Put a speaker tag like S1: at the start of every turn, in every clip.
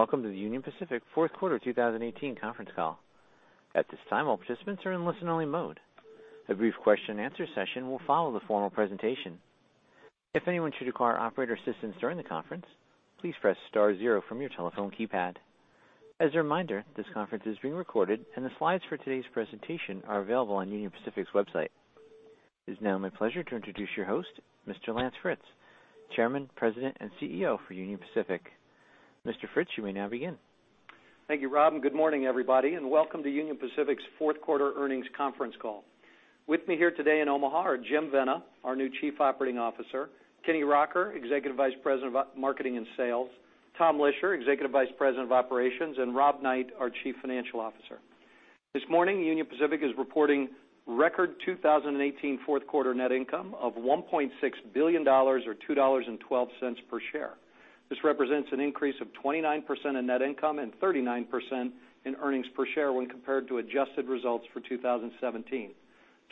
S1: Welcome to the Union Pacific fourth quarter 2018 conference call. At this time, all participants are in listen-only mode. A brief question and answer session will follow the formal presentation. If anyone should require operator assistance during the conference, please press star zero from your telephone keypad. As a reminder, this conference is being recorded, the slides for today's presentation are available on Union Pacific's website. It is now my pleasure to introduce your host, Mr. Lance Fritz, Chairman, President, and CEO for Union Pacific. Mr. Fritz, you may now begin.
S2: Thank you, Rob, good morning, everybody, and welcome to Union Pacific's fourth quarter earnings conference call. With me here today in Omaha are Jim Vena, our new Chief Operating Officer, Kenny Rocker, Executive Vice President of Marketing and Sales, Tom Lischer, Executive Vice President of Operations, and Rob Knight, our Chief Financial Officer. This morning, Union Pacific is reporting record 2018 fourth quarter net income of $1.6 billion, or $2.12 per share. This represents an increase of 29% in net income and 39% in earnings per share when compared to adjusted results for 2017.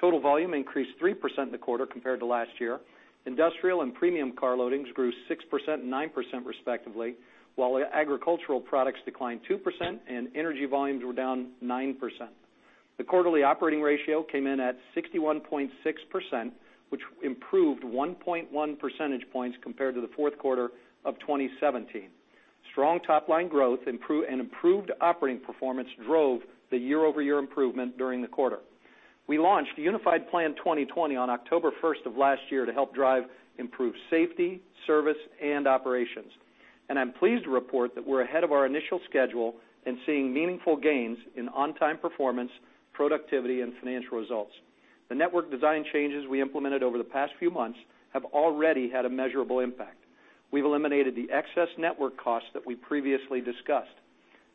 S2: Total volume increased 3% in the quarter compared to last year. Industrial and premium car loadings grew 6% and 9% respectively, while agricultural products declined 2% and energy volumes were down 9%. The quarterly operating ratio came in at 61.6%, which improved 1.1 percentage points compared to the fourth quarter of 2017. Strong top-line growth and improved operating performance drove the year-over-year improvement during the quarter. We launched Unified Plan 2020 on October 1st of last year to help drive improved safety, service, and operations. I'm pleased to report that we're ahead of our initial schedule and seeing meaningful gains in on-time performance, productivity, and financial results. The network design changes we implemented over the past few months have already had a measurable impact. We've eliminated the excess network costs that we previously discussed.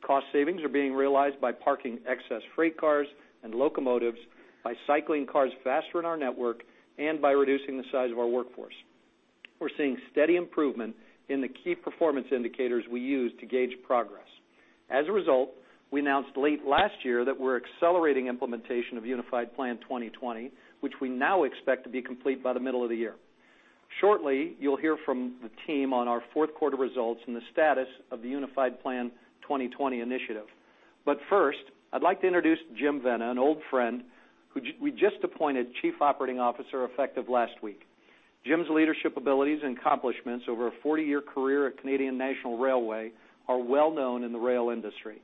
S2: Cost savings are being realized by parking excess freight cars and locomotives, by cycling cars faster in our network, and by reducing the size of our workforce. We're seeing steady improvement in the key performance indicators we use to gauge progress. As a result, we announced late last year that we're accelerating implementation of Unified Plan 2020, which we now expect to be complete by the middle of the year. Shortly, you'll hear from the team on our fourth quarter results and the status of the Unified Plan 2020 initiative. First, I'd like to introduce Jim Vena, an old friend who we just appointed Chief Operating Officer effective last week. Jim's leadership abilities and accomplishments over a 40-year career at Canadian National Railway are well-known in the rail industry.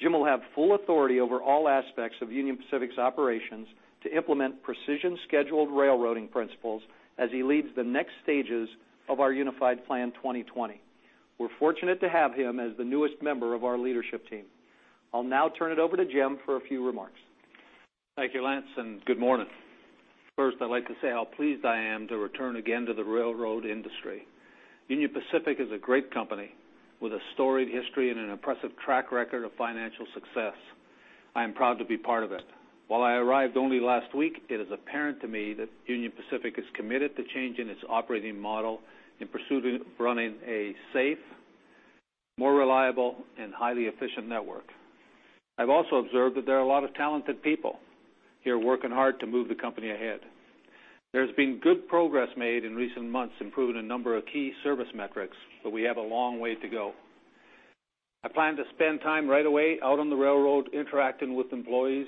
S2: Jim will have full authority over all aspects of Union Pacific's operations to implement Precision Scheduled Railroading principles as he leads the next stages of our Unified Plan 2020. We're fortunate to have him as the newest member of our leadership team. I'll now turn it over to Jim for a few remarks.
S3: Thank you, Lance, and good morning. First, I'd like to say how pleased I am to return again to the railroad industry. Union Pacific is a great company with a storied history and an impressive track record of financial success. I am proud to be part of it. While I arrived only last week, it is apparent to me that Union Pacific is committed to changing its operating model in pursuit of running a safe, more reliable, and highly efficient network. I've also observed that there are a lot of talented people here working hard to move the company ahead. There's been good progress made in recent months improving a number of key service metrics, but we have a long way to go. I plan to spend time right away out on the railroad interacting with employees.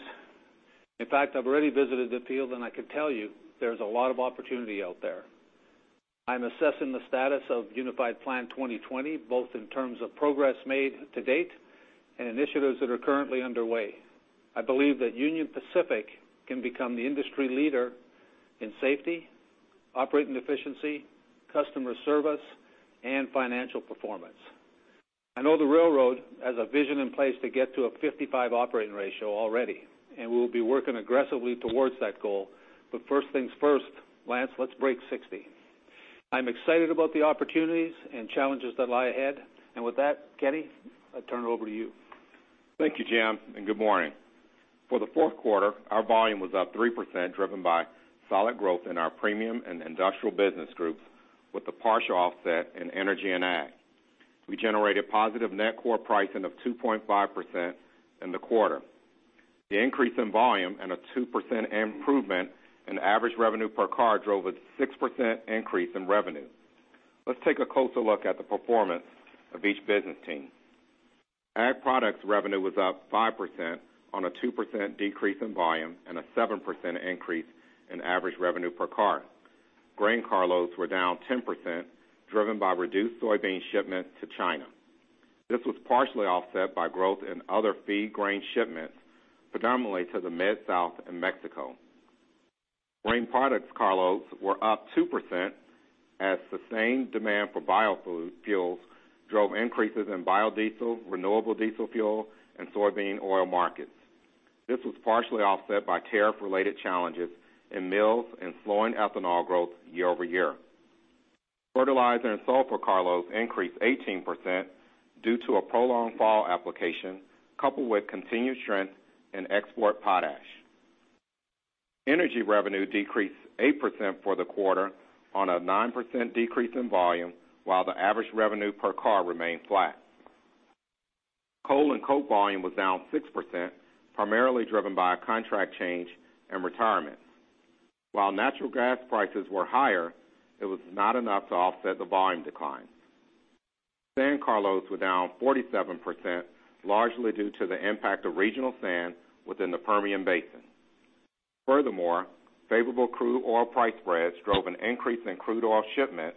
S3: In fact, I've already visited the field, and I can tell you there's a lot of opportunity out there. I'm assessing the status of Unified Plan 2020, both in terms of progress made to date and initiatives that are currently underway. I believe that Union Pacific can become the industry leader in safety, operating efficiency, customer service, and financial performance. I know the railroad has a vision in place to get to a 55 operating ratio already, and we'll be working aggressively towards that goal. First things first, Lance, let's break 60. I'm excited about the opportunities and challenges that lie ahead. With that, Kenny, I turn it over to you.
S4: Thank you, Jim, and good morning. For the fourth quarter, our volume was up 3%, driven by solid growth in our premium and industrial business groups with the partial offset in energy and ag. We generated positive net core pricing of 2.5% in the quarter. The increase in volume and a 2% improvement in average revenue per car drove a 6% increase in revenue. Let's take a closer look at the performance of each business team. Ag products revenue was up 5% on a 2% decrease in volume and a 7% increase in average revenue per car. Grain car loads were down 10%, driven by reduced soybean shipments to China. This was partially offset by growth in other feed grain shipments, predominantly to the Mid-South and Mexico. Grain products car loads were up 2% as sustained demand for biofuels drove increases in biodiesel, renewable diesel fuel, and soybean oil markets. This was partially offset by tariff-related challenges in mills and slowing ethanol growth year-over-year. Fertilizer and sulfur car loads increased 18% due to a prolonged fall application, coupled with continued strength in export potash. Energy revenue decreased 8% for the quarter on a 9% decrease in volume, while the average revenue per car remained flat. Coal and coke volume was down 6%, primarily driven by a contract change and retirement. While natural gas prices were higher, it was not enough to offset the volume decline. Sand carloads were down 47%, largely due to the impact of regional sand within the Permian Basin. Furthermore, favorable crude oil price spreads drove an increase in crude oil shipments,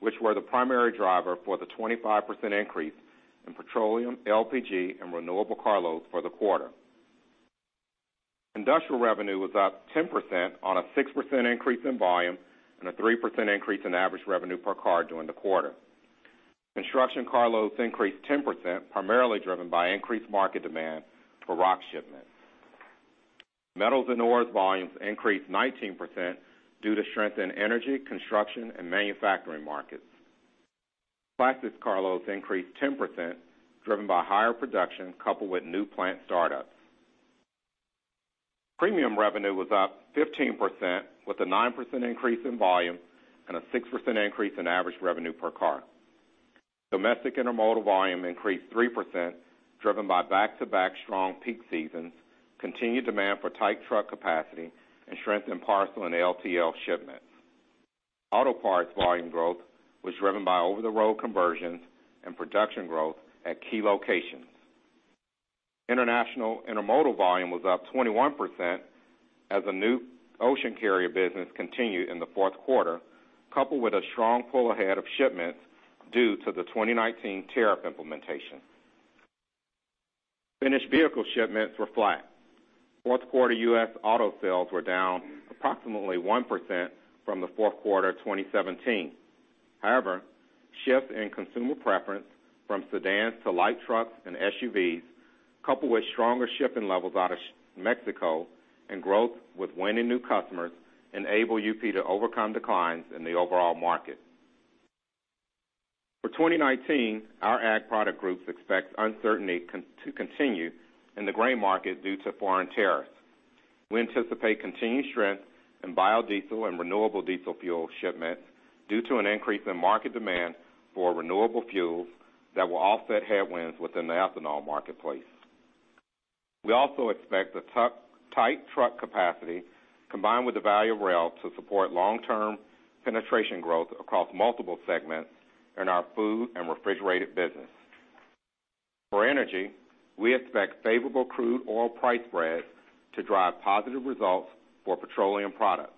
S4: which were the primary driver for the 25% increase in petroleum, LPG, and renewable carloads for the quarter. Industrial revenue was up 10% on a 6% increase in volume and a 3% increase in average revenue per car during the quarter. Construction carloads increased 10%, primarily driven by increased market demand for rock shipments. Metals and ores volumes increased 19% due to strength in energy, construction, and manufacturing markets. Plastics carloads increased 10%, driven by higher production coupled with new plant startups. Premium revenue was up 15%, with a 9% increase in volume and a 6% increase in average revenue per car. Domestic intermodal volume increased 3%, driven by back-to-back strong peak seasons, continued demand for tight truck capacity, and strength in parcel and LTL shipments. Auto parts volume growth was driven by over-the-road conversions and production growth at key locations. International intermodal volume was up 21% as the new ocean carrier business continued in the fourth quarter, coupled with a strong pull ahead of shipments due to the 2019 tariff implementation. Finished vehicle shipments were flat. Fourth quarter U.S. auto sales were down approximately 1% from the fourth quarter of 2017. Shifts in consumer preference from sedans to light trucks and SUVs, coupled with stronger shipping levels out of Mexico and growth with winning new customers, enable UP to overcome declines in the overall market. For 2019, our ag product groups expect uncertainty to continue in the grain market due to foreign tariffs. We anticipate continued strength in biodiesel and renewable diesel fuel shipments due to an increase in market demand for renewable fuels that will offset headwinds within the ethanol marketplace. We also expect the tight truck capacity, combined with the value of rail, to support long-term penetration growth across multiple segments in our food and refrigerated business. For energy, we expect favorable crude oil price spreads to drive positive results for petroleum products.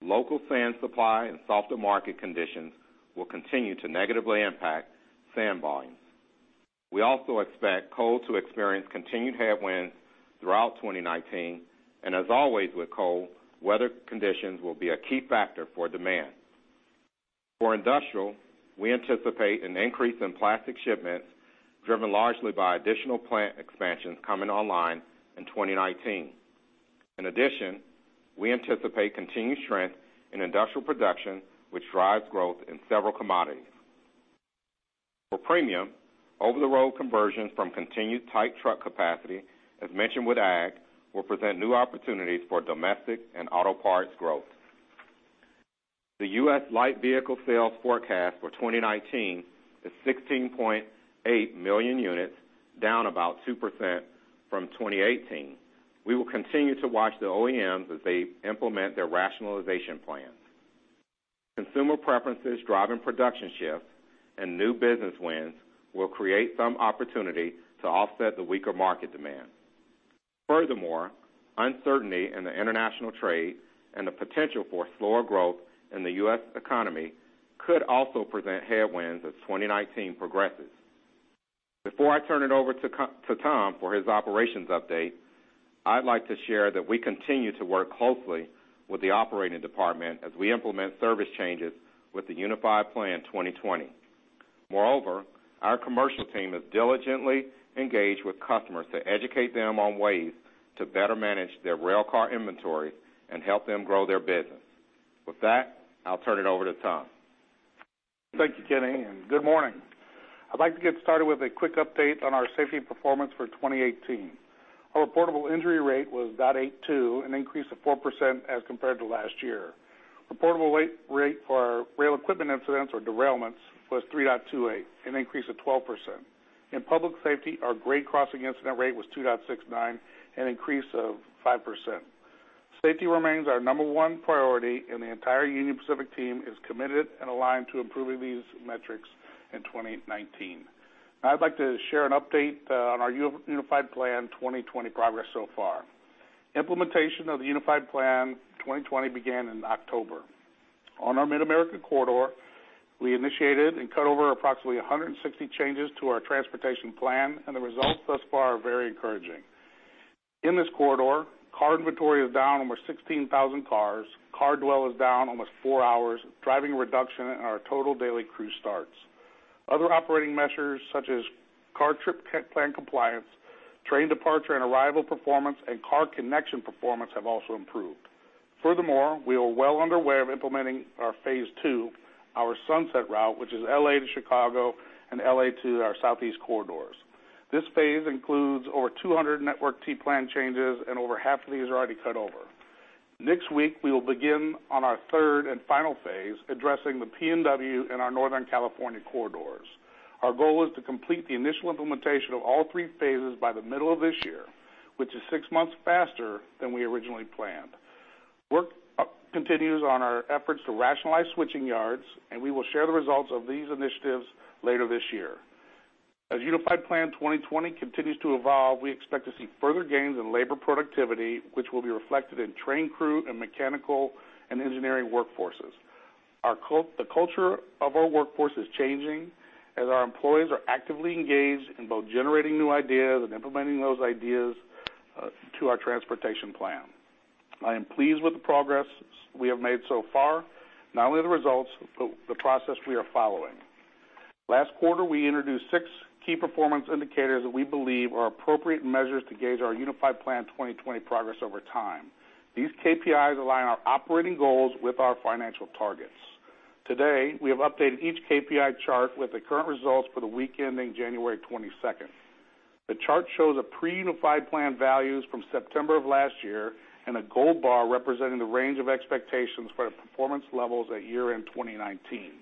S4: Local sand supply and softer market conditions will continue to negatively impact sand volumes. We also expect coal to experience continued headwinds throughout 2019, and as always with coal, weather conditions will be a key factor for demand. For industrial, we anticipate an increase in plastic shipments, driven largely by additional plant expansions coming online in 2019. In addition, we anticipate continued strength in industrial production, which drives growth in several commodities. For premium, over-the-road conversions from continued tight truck capacity, as mentioned with ag, will present new opportunities for domestic and auto parts growth. The U.S. light vehicle sales forecast for 2019 is 16.8 million units, down about 2% from 2018. We will continue to watch the OEMs as they implement their rationalization plans. Consumer preferences driving production shifts and new business wins will create some opportunity to offset the weaker market demand. Furthermore, uncertainty in the international trade and the potential for slower growth in the U.S. economy could also present headwinds as 2019 progresses. Before I turn it over to Tom for his operations update, I'd like to share that we continue to work closely with the operating department as we implement service changes with the Unified Plan 2020. Moreover, our commercial team is diligently engaged with customers to educate them on ways to better manage their rail car inventory and help them grow their business. With that, I'll turn it over to Tom.
S5: Thank you, Kenny, and good morning. I'd like to get started with a quick update on our safety performance for 2018. Our reportable injury rate was 0.82, an increase of 4% as compared to last year. Reportable rate for rail equipment incidents or derailments was 3.28, an increase of 12%. In public safety, our grade crossing incident rate was 2.69, an increase of 5%. Safety remains our number one priority, and the entire Union Pacific team is committed and aligned to improving these metrics in 2019. Now I'd like to share an update on our Unified Plan 2020 progress so far. Implementation of the Unified Plan 2020 began in October. On our Mid-America Corridor, we initiated and cut over approximately 160 changes to our transportation plan. The results thus far are very encouraging. In this corridor, car inventory is down over 16,000 cars. Car dwell is down almost four hours, driving a reduction in our total daily crew starts. Other operating measures such as car trip plan compliance, train departure and arrival performance, and car connection performance have also improved. Furthermore, we are well underway of implementing our phase II, our sunset route, which is L.A. to Chicago and L.A. to our southeast corridors. This phase includes over 200 network T plan changes. Over half of these are already cut over. Next week, we will begin on our third and final phase, addressing the PNW and our Northern California corridors. Our goal is to complete the initial implementation of all three phases by the middle of this year, which is six months faster than we originally planned. Work continues on our efforts to rationalize switching yards. We will share the results of these initiatives later this year. As Unified Plan 2020 continues to evolve, we expect to see further gains in labor productivity, which will be reflected in train crew and mechanical and engineering workforces. The culture of our workforce is changing as our employees are actively engaged in both generating new ideas and implementing those ideas to our transportation plan. I am pleased with the progress we have made so far, not only the results, but the process we are following. Last quarter, we introduced six key performance indicators that we believe are appropriate measures to gauge our Unified Plan 2020 progress over time. These KPIs align our operating goals with our financial targets. Today, we have updated each KPI chart with the current results for the week ending January 22nd. The chart shows a pre-Unified Plan values from September of last year and a gold bar representing the range of expectations for the performance levels at year-end 2019.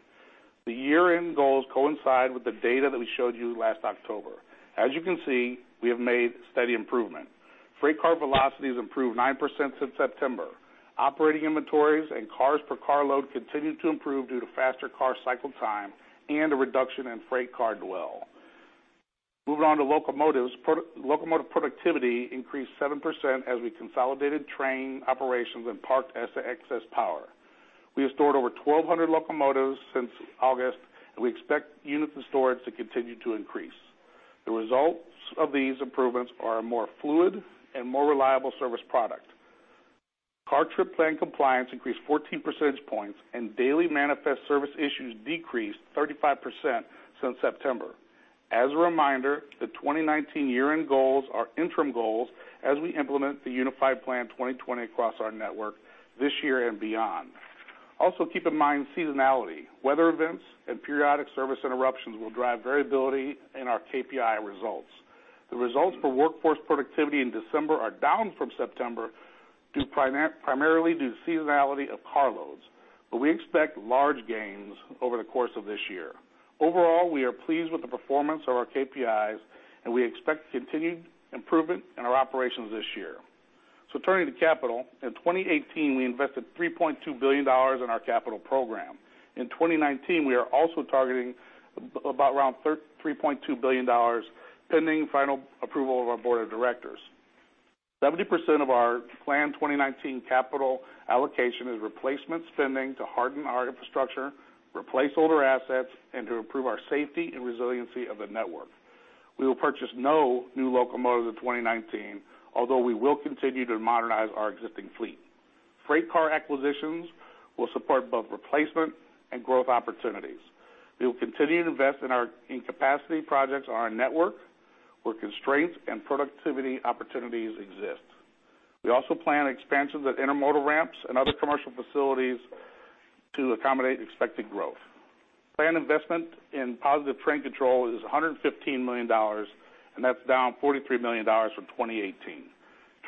S5: The year-end goals coincide with the data that we showed you last October. As you can see, we have made steady improvement. Freight car velocity has improved 9% since September. Operating inventories and cars per car load continue to improve due to faster car cycle time and a reduction in freight car dwell. Moving on to locomotives. Locomotive productivity increased 7% as we consolidated train operations and parked excess power. We have stored over 1,200 locomotives since August. We expect units in storage to continue to increase. The results of these improvements are a more fluid and more reliable service product. Car trip plan compliance increased 14 percentage points. Daily manifest service issues decreased 35% since September. As a reminder, the 2019 year-end goals are interim goals as we implement the Unified Plan 2020 across our network this year and beyond. Also, keep in mind seasonality. Weather events and periodic service interruptions will drive variability in our KPI results. The results for workforce productivity in December are down from September, primarily due to seasonality of car loads, but we expect large gains over the course of this year. Overall, we are pleased with the performance of our KPIs, and we expect continued improvement in our operations this year. Turning to capital, in 2018, we invested $3.2 billion in our capital program. In 2019, we are also targeting around $3.2 billion, pending final approval of our board of directors. 70% of our planned 2019 capital allocation is replacement spending to harden our infrastructure, replace older assets, and to improve our safety and resiliency of the network. We will purchase no new locomotives in 2019, although we will continue to modernize our existing fleet. Freight car acquisitions will support both replacement and growth opportunities. We will continue to invest in capacity projects on our network where constraints and productivity opportunities exist. We also plan expansions at intermodal ramps and other commercial facilities to accommodate expected growth. Planned investment in Positive Train Control is $115 million, and that's down $43 million from 2018.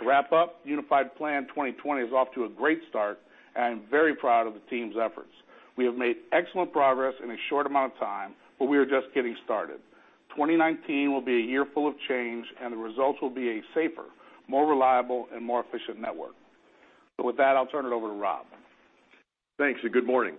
S5: To wrap up, Unified Plan 2020 is off to a great start, and I'm very proud of the team's efforts. We have made excellent progress in a short amount of time, but we are just getting started. 2019 will be a year full of change, and the results will be a safer, more reliable, and more efficient network. With that, I'll turn it over to Rob.
S6: Thanks, good morning.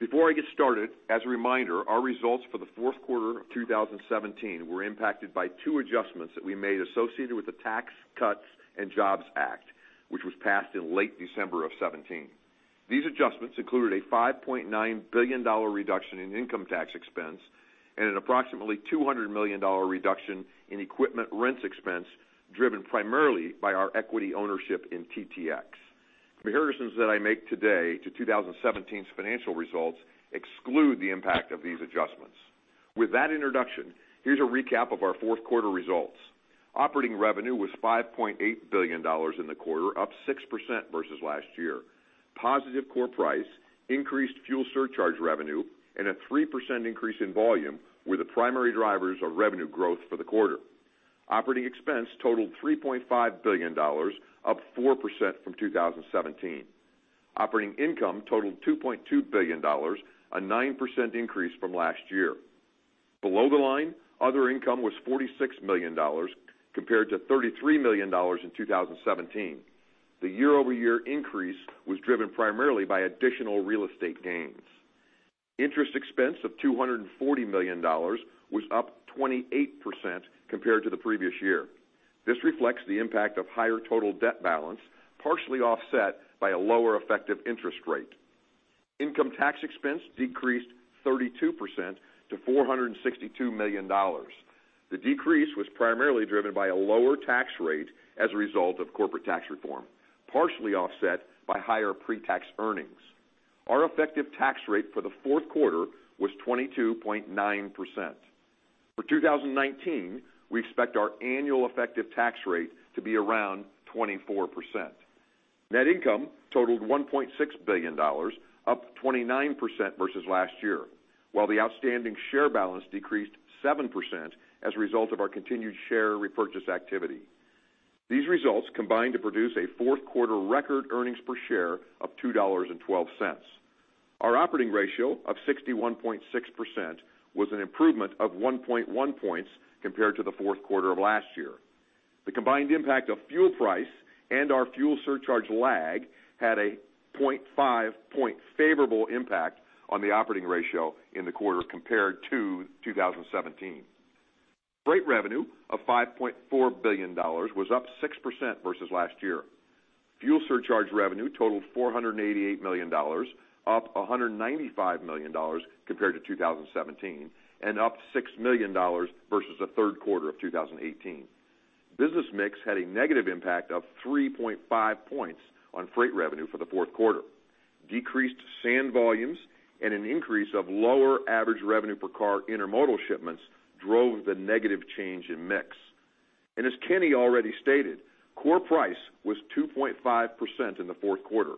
S6: Before I get started, as a reminder, our results for the fourth quarter of 2017 were impacted by two adjustments that we made associated with the Tax Cuts and Jobs Act, which was passed in late December of 2017. These adjustments included a $5.9 billion reduction in income tax expense and an approximately $200 million reduction in equipment rents expense, driven primarily by our equity ownership in TTX. The comparisons that I make today to 2017's financial results exclude the impact of these adjustments. With that introduction, here's a recap of our fourth quarter results. Operating revenue was $5.8 billion in the quarter, up 6% versus last year. Positive core price, increased fuel surcharge revenue, and a 3% increase in volume were the primary drivers of revenue growth for the quarter. Operating expense totaled $3.5 billion, up 4% from 2017. Operating income totaled $2.2 billion, a 9% increase from last year. Below the line, other income was $46 million, compared to $33 million in 2017. The year-over-year increase was driven primarily by additional real estate gains. Interest expense of $240 million was up 28% compared to the previous year. This reflects the impact of higher total debt balance, partially offset by a lower effective interest rate. Income tax expense decreased 32% to $462 million. The decrease was primarily driven by a lower tax rate as a result of corporate tax reform, partially offset by higher pre-tax earnings. Our effective tax rate for the fourth quarter was 22.9%. For 2019, we expect our annual effective tax rate to be around 24%. Net income totaled $1.6 billion, up 29% versus last year, while the outstanding share balance decreased 7% as a result of our continued share repurchase activity. These results combine to produce a fourth quarter record earnings per share of $2.12. Our operating ratio of 61.6% was an improvement of 1.1 points compared to the fourth quarter of last year. The combined impact of fuel price and our fuel surcharge lag had a 0.5 point favorable impact on the operating ratio in the quarter compared to 2017. Freight revenue of $5.4 billion was up 6% versus last year. Fuel surcharge revenue totaled $488 million, up $195 million compared to 2017, and up $6 million versus the third quarter of 2018. Business mix had a negative impact of 3.5 points on freight revenue for the fourth quarter. Decreased sand volumes and an increase of lower average revenue per car intermodal shipments drove the negative change in mix. As Kenny already stated, core price was 2.5% in the fourth quarter,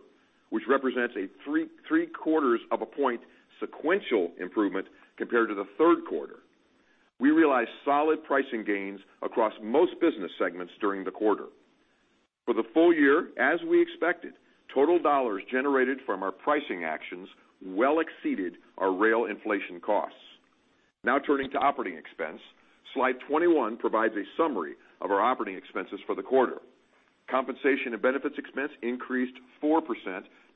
S6: which represents a three-quarters of a point sequential improvement compared to the third quarter. We realized solid pricing gains across most business segments during the quarter. For the full year, as we expected, total dollars generated from our pricing actions well exceeded our rail inflation costs. Now turning to operating expense, slide 21 provides a summary of our operating expenses for the quarter. Compensation and benefits expense increased 4%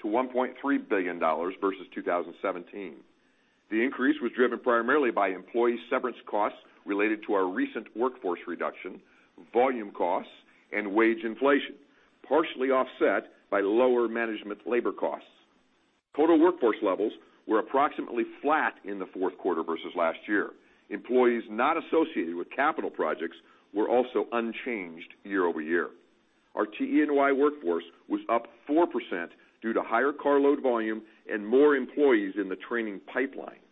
S6: to $1.3 billion versus 2017. The increase was driven primarily by employee severance costs related to our recent workforce reduction, volume costs, and wage inflation, partially offset by lower management labor costs. Total workforce levels were approximately flat in the fourth quarter versus last year. Employees not associated with capital projects were also unchanged year-over-year. Our T&E workforce was up 4% due to higher car load volume and more employees in the training pipeline.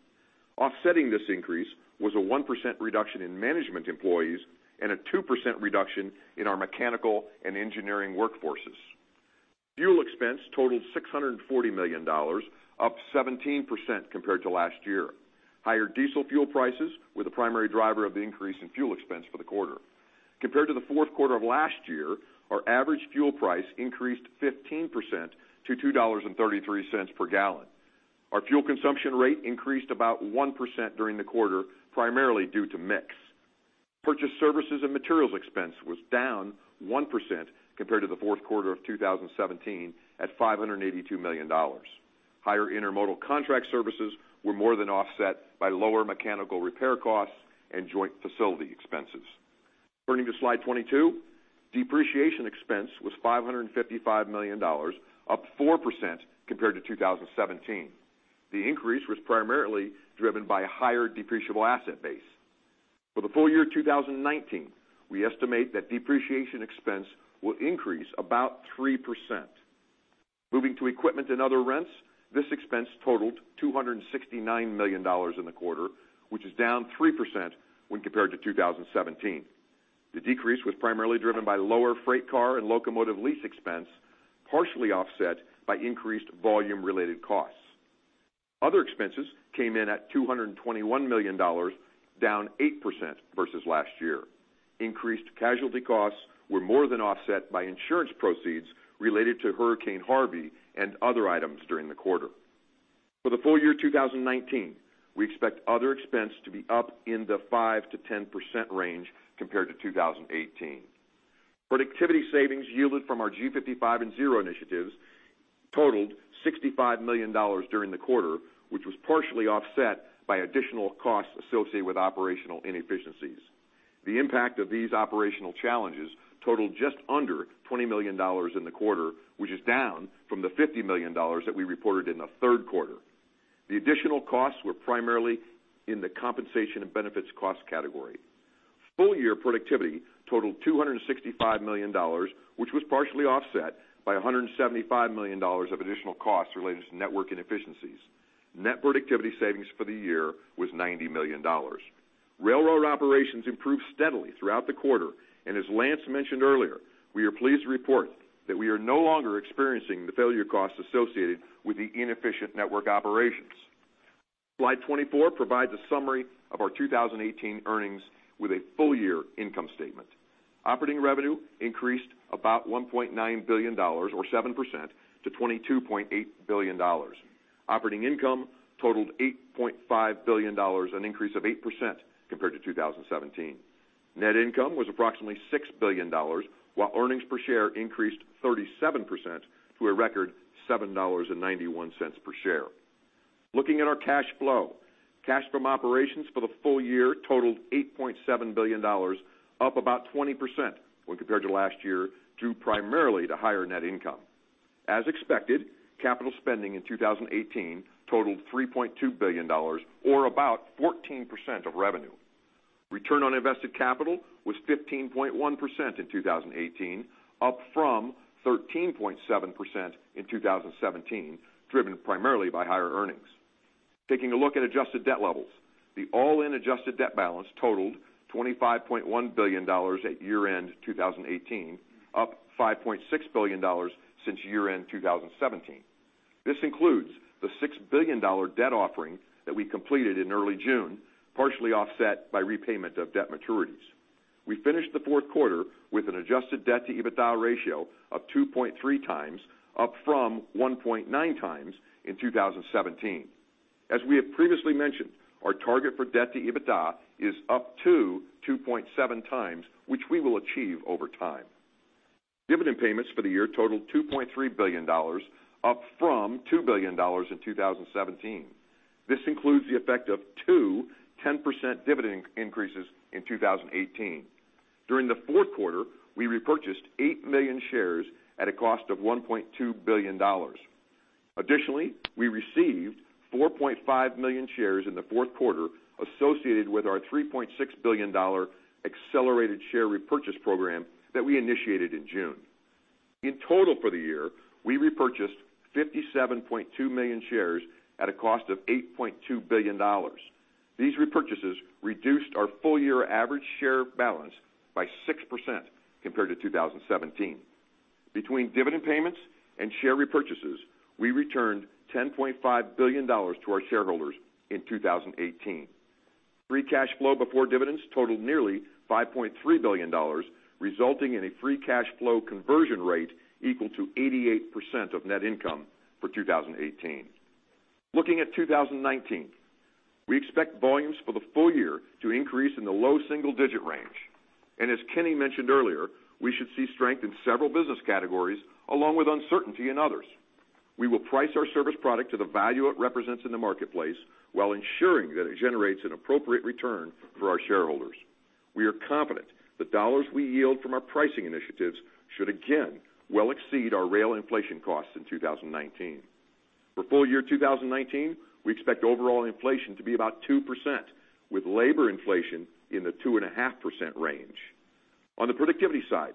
S6: Offsetting this increase was a 1% reduction in management employees and a 2% reduction in our mechanical and engineering workforces. Fuel expense totaled $640 million, up 17% compared to last year. Higher diesel fuel prices were the primary driver of the increase in fuel expense for the quarter. Compared to the fourth quarter of last year, our average fuel price increased 15% to $2.33 per gallon. Our fuel consumption rate increased about 1% during the quarter, primarily due to mix. Purchased services and materials expense was down 1% compared to the fourth quarter of 2017 at $582 million. Higher intermodal contract services were more than offset by lower mechanical repair costs and joint facility expenses. Turning to Slide 22, depreciation expense was $555 million, up 4% compared to 2017. The increase was primarily driven by a higher depreciable asset base. For the full year 2019, we estimate that depreciation expense will increase about 3%. Moving to equipment and other rents, this expense totaled $269 million in the quarter, which is down 3% when compared to 2017. The decrease was primarily driven by lower freight car and locomotive lease expense, partially offset by increased volume-related costs. Other expenses came in at $221 million, down 8% versus last year. Increased casualty costs were more than offset by insurance proceeds related to Hurricane Harvey and other items during the quarter. For the full year 2019, we expect other expense to be up in the 5%-10% range compared to 2018. Productivity savings yielded from our G55 and Zero initiatives totaled $65 million during the quarter, which was partially offset by additional costs associated with operational inefficiencies. The impact of these operational challenges totaled just under $20 million in the quarter, which is down from the $50 million that we reported in the third quarter. The additional costs were primarily in the compensation and benefits cost category. Full-year productivity totaled $265 million, which was partially offset by $175 million of additional costs related to network inefficiencies. Net productivity savings for the year was $90 million. Railroad operations improved steadily throughout the quarter, and as Lance mentioned earlier, we are pleased to report that we are no longer experiencing the failure costs associated with the inefficient network operations. Slide 24 provides a summary of our 2018 earnings with a full-year income statement. Operating revenue increased about $1.9 billion, or 7%, to $22.8 billion. Operating income totaled $8.5 billion, an increase of 8% compared to 2017. Net income was approximately $6 billion, while earnings per share increased 37% to a record $7.91 per share. Looking at our cash flow, cash from operations for the full year totaled $8.7 billion, up about 20% when compared to last year, due primarily to higher net income. As expected, capital spending in 2018 totaled $3.2 billion, or about 14% of revenue. Return on invested capital was 15.1% in 2018, up from 13.7% in 2017, driven primarily by higher earnings. Taking a look at adjusted debt levels, the all-in adjusted debt balance totaled $25.1 billion at year-end 2018, up $5.6 billion since year-end 2017. This includes the $6 billion debt offering that we completed in early June, partially offset by repayment of debt maturities. We finished the fourth quarter with an adjusted debt-to-EBITDA ratio of 2.3 times, up from 1.9 times in 2017. As we have previously mentioned, our target for debt to EBITDA is up to 2.7 times, which we will achieve over time. Dividend payments for the year totaled $2.3 billion, up from $2 billion in 2017. This includes the effect of two 10% dividend increases in 2018. During the fourth quarter, we repurchased eight million shares at a cost of $1.2 billion. Additionally, we received 4.5 million shares in the fourth quarter associated with our $3.6 billion accelerated share repurchase program that we initiated in June. In total for the year, we repurchased 57.2 million shares at a cost of $8.2 billion. These repurchases reduced our full-year average share balance by 6% compared to 2017. Between dividend payments and share repurchases, we returned $10.5 billion to our shareholders in 2018. Free cash flow before dividends totaled nearly $5.3 billion, resulting in a free cash flow conversion rate equal to 88% of net income for 2018. Looking at 2019, we expect volumes for the full year to increase in the low single-digit range. As Kenny mentioned earlier, we should see strength in several business categories, along with uncertainty in others. We will price our service product to the value it represents in the marketplace while ensuring that it generates an appropriate return for our shareholders. We are confident the dollars we yield from our pricing initiatives should again well exceed our rail inflation costs in 2019. For full-year 2019, we expect overall inflation to be about 2%, with labor inflation in the 2.5% range. On the productivity side,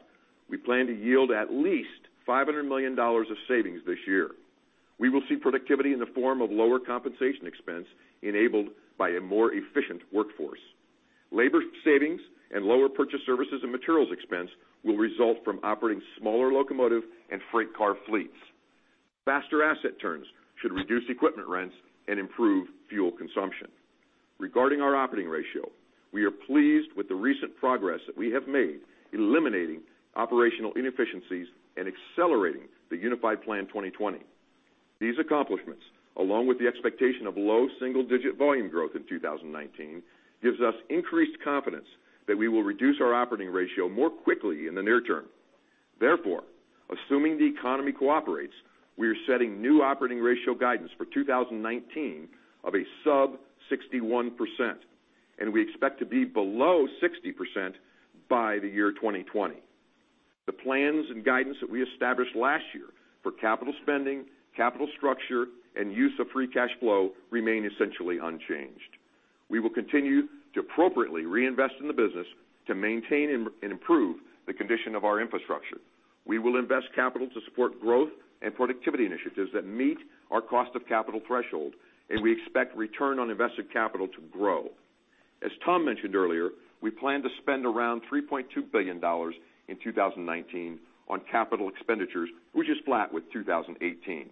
S6: we plan to yield at least $500 million of savings this year. We will see productivity in the form of lower compensation expense enabled by a more efficient workforce. Labor savings and lower purchased services and materials expense will result from operating smaller locomotive and freight car fleets. Faster asset turns should reduce equipment rents and improve fuel consumption. Regarding our operating ratio, we are pleased with the recent progress that we have made eliminating operational inefficiencies and accelerating the Unified Plan 2020. These accomplishments, along with the expectation of low single-digit volume growth in 2019, gives us increased confidence that we will reduce our operating ratio more quickly in the near term. Assuming the economy cooperates, we are setting new operating ratio guidance for 2019 of a sub 61%, and we expect to be below 60% by the year 2020. The plans and guidance that we established last year for capital spending, capital structure, and use of free cash flow remain essentially unchanged. We will continue to appropriately reinvest in the business to maintain and improve the condition of our infrastructure. We expect return on invested capital to grow. As Tom mentioned earlier, we plan to spend around $3.2 billion in 2019 on capital expenditures, which is flat with 2018.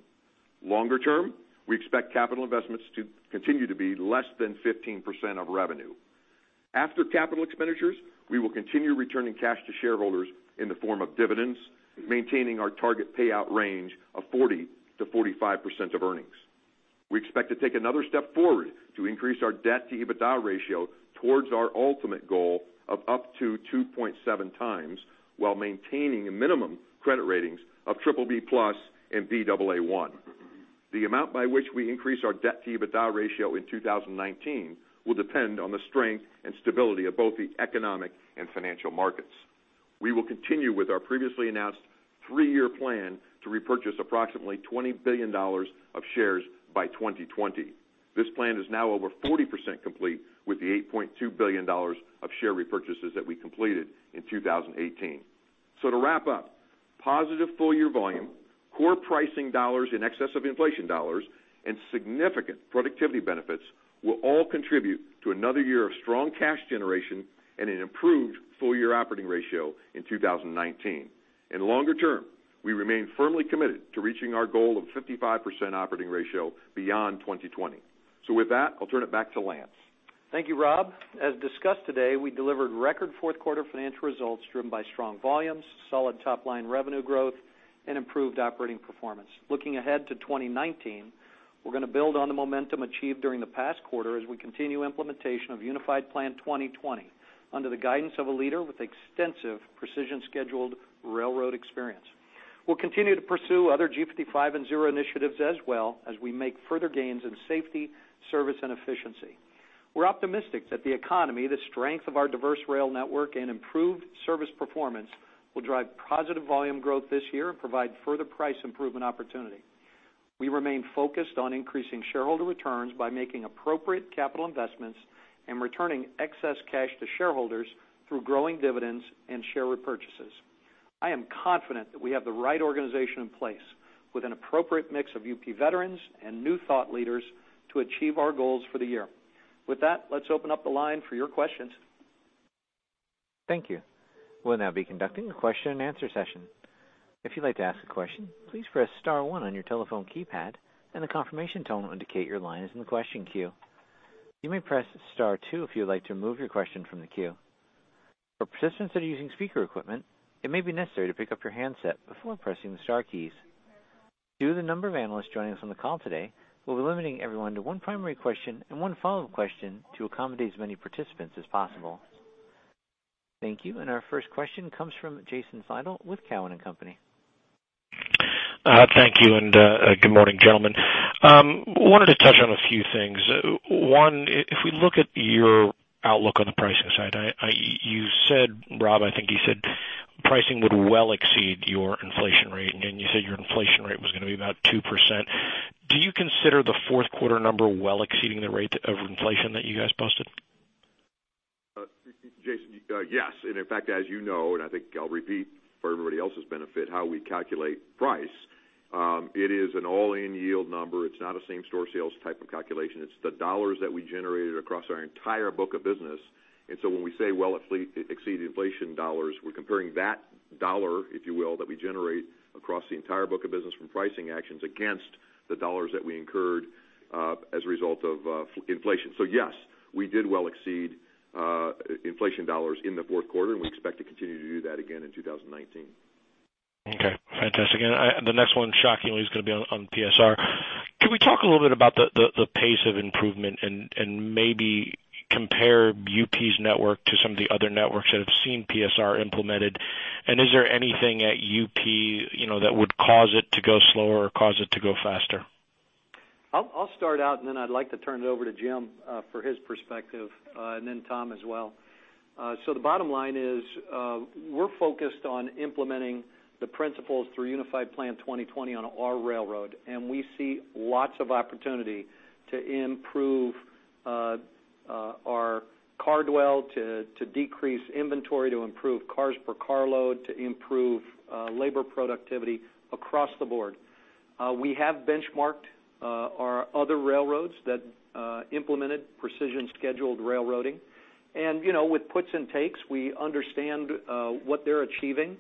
S6: Longer term, we expect capital investments to continue to be less than 15% of revenue. After capital expenditures, we will continue returning cash to shareholders in the form of dividends, maintaining our target payout range of 40%-45% of earnings. We expect to take another step forward to increase our debt-to-EBITDA ratio towards our ultimate goal of up to 2.7 times, while maintaining minimum credit ratings of BBB+ and Baa1. The amount by which we increase our debt-to-EBITDA ratio in 2019 will depend on the strength and stability of both the economic and financial markets. We will continue with our previously announced three-year plan to repurchase approximately $20 billion of shares by 2020. This plan is now over 40% complete with the $8.2 billion of share repurchases that we completed in 2018. To wrap up, positive full-year volume, core pricing dollars in excess of inflation dollars, and significant productivity benefits will all contribute to another year of strong cash generation and an improved full-year operating ratio in 2019. In the longer term, we remain firmly committed to reaching our goal of 55% operating ratio beyond 2020. With that, I'll turn it back to Lance.
S2: Thank you, Rob. As discussed today, we delivered record fourth quarter financial results driven by strong volumes, solid top-line revenue growth, and improved operating performance. Looking ahead to 2019, we're going to build on the momentum achieved during the past quarter as we continue implementation of Unified Plan 2020 under the guidance of a leader with extensive precision scheduled railroad experience. We'll continue to pursue other G55 and Zero initiatives as well as we make further gains in safety, service, and efficiency. We're optimistic that the economy, the strength of our diverse rail network, and improved service performance will drive positive volume growth this year and provide further price improvement opportunity. We remain focused on increasing shareholder returns by making appropriate capital investments and returning excess cash to shareholders through growing dividends and share repurchases. I am confident that we have the right organization in place with an appropriate mix of UP veterans and new thought leaders to achieve our goals for the year. With that, let's open up the line for your questions.
S1: Thank you. We'll now be conducting a question and answer session. If you'd like to ask a question, please press star one on your telephone keypad, and a confirmation tone will indicate your line is in the question queue. You may press star two if you would like to remove your question from the queue. For participants that are using speaker equipment, it may be necessary to pick up your handset before pressing the star keys. Due to the number of analysts joining us on the call today, we'll be limiting everyone to one primary question and one follow-up question to accommodate as many participants as possible. Thank you. Our first question comes from Jason Seidl with Cowen and Company.
S7: Thank you. Good morning, gentlemen. Wanted to touch on a few things. One, if we look at your outlook on the pricing side, you said, Rob, I think you said pricing would well exceed your inflation rate, and you said your inflation rate was going to be about 2%. Do you consider the fourth quarter number well exceeding the rate of inflation that you guys posted?
S6: Jason, yes. In fact, as you know, I think I'll repeat for everybody else's benefit how we calculate price. It is an all-in yield number. It's not a same-store sales type of calculation. It's the dollars that we generated across our entire book of business. When we say, well, exceed inflation dollars, we're comparing that dollar, if you will, that we generate across the entire book of business from pricing actions against the dollars that we incurred, as a result of inflation. Yes, we did well exceed inflation dollars in the fourth quarter, and we expect to continue to do that again in 2019.
S7: Okay, fantastic. The next one, shockingly, is going to be on PSR. Can we talk a little bit about the pace of improvement and maybe compare UP's network to some of the other networks that have seen PSR implemented? Is there anything at UP that would cause it to go slower or cause it to go faster?
S2: I'll start out, I'd like to turn it over to Jim for his perspective, Tom as well. The bottom line is, we're focused on implementing the principles through Unified Plan 2020 on our railroad, we see lots of opportunity to improve our car dwell, to decrease inventory, to improve cars per car load, to improve labor productivity across the board. We have benchmarked our other railroads that implemented Precision Scheduled Railroading, with puts and takes, we understand what they're achieving,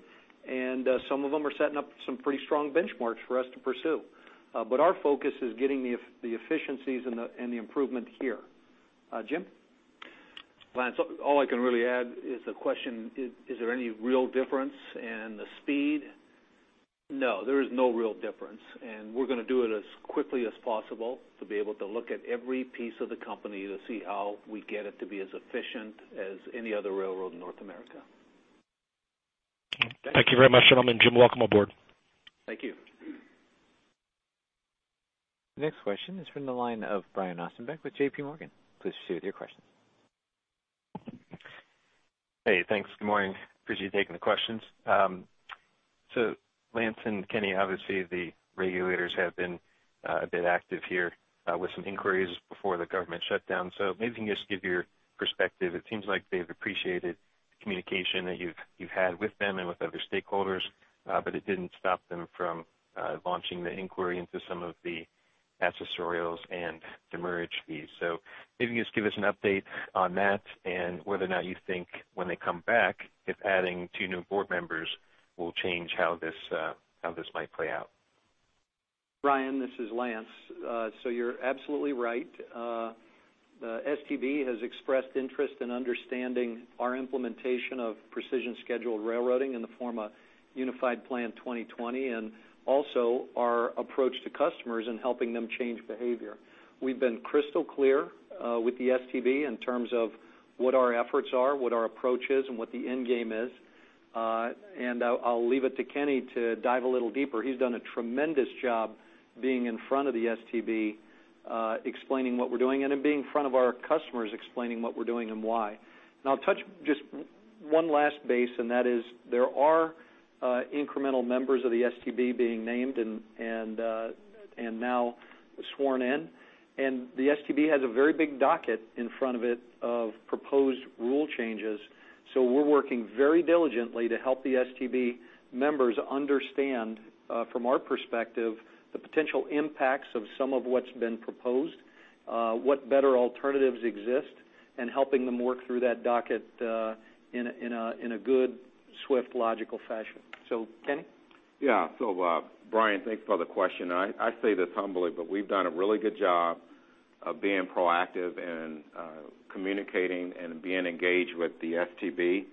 S2: and some of them are setting up some pretty strong benchmarks for us to pursue. Our focus is getting the efficiencies and the improvement here. Jim?
S3: Lance, all I can really add is the question, is there any real difference in the speed? No, there is no real difference, we're going to do it as quickly as possible to be able to look at every piece of the company to see how we get it to be as efficient as any other railroad in North America.
S7: Thank you very much, gentlemen. Jim, welcome aboard.
S3: Thank you.
S1: The next question is from the line of Brian Ossenbeck with JPMorgan. Please proceed with your questions.
S8: Hey, thanks. Good morning. Appreciate you taking the questions. Lance and Kenny, obviously, the regulators have been a bit active here with some inquiries before the government shutdown. Maybe you can just give your perspective. It seems like they've appreciated the communication that you've had with them and with other stakeholders, but it didn't stop them from launching the inquiry into some of the accessorials and demurrage fees. Maybe just give us an update on that and whether or not you think when they come back, if adding two new board members will change how this might play out.
S2: Brian, this is Lance. You're absolutely right. STB has expressed interest in understanding our implementation of Precision Scheduled Railroading in the form of Unified Plan 2020, also our approach to customers and helping them change behavior. We've been crystal clear with the STB in terms of what our efforts are, what our approach is, and what the end game is. I'll leave it to Kenny to dive a little deeper. He's done a tremendous job being in front of the STB, explaining what we're doing and then being in front of our customers, explaining what we're doing and why. I'll touch just one last base, and that is, there are incremental members of the STB being named and now sworn in, and the STB has a very big docket in front of it of proposed rule changes. We're working very diligently to help the STB members understand, from our perspective, the potential impacts of some of what's been proposed, what better alternatives exist, helping them work through that docket in a good, swift, logical fashion. Kenny?
S4: Yeah. Brian, thanks for the question. I say this humbly, but we've done a really good job of being proactive and communicating and being engaged with the STB.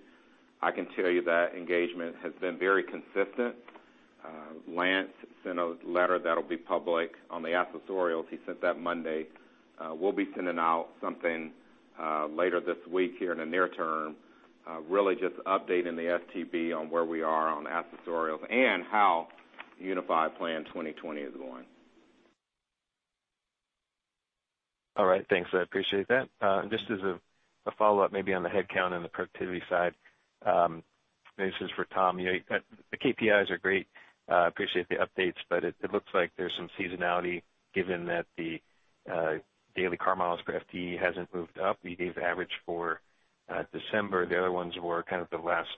S4: I can tell you that engagement has been very consistent. Lance sent a letter that'll be public on the accessorials. He sent that Monday. We'll be sending out something later this week here in the near term, really just updating the STB on where we are on the accessorials and how Unified Plan 2020 is going.
S8: All right, thanks. I appreciate that. Just as a follow-up, maybe on the headcount and the productivity side. Maybe this is for Tom. The KPIs are great. I appreciate the updates, but it looks like there's some seasonality given that the daily car miles per FTE hasn't moved up. You gave the average for December. The other ones were kind of the last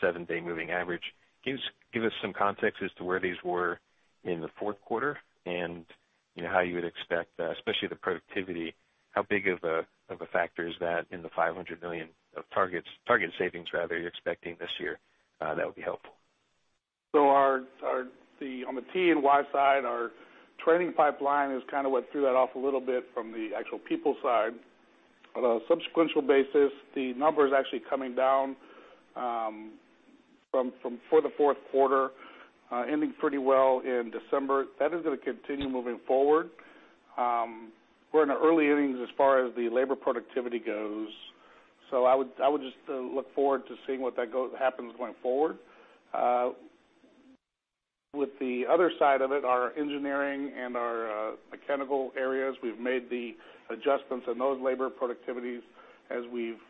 S8: Seven-day moving average. Can you give us some context as to where these were in the fourth quarter, and how you would expect, especially the productivity, how big of a factor is that in the $500 million of target savings you're expecting this year? That would be helpful.
S5: On the T&E side, our training pipeline is what threw that off a little bit from the actual people side. On a subsequential basis, the number is actually coming down for the fourth quarter, ending pretty well in December. That is going to continue moving forward. We're in the early innings as far as the labor productivity goes. I would just look forward to seeing what happens going forward. With the other side of it, our engineering and our mechanical areas, we've made the adjustments in those labor productivities as we've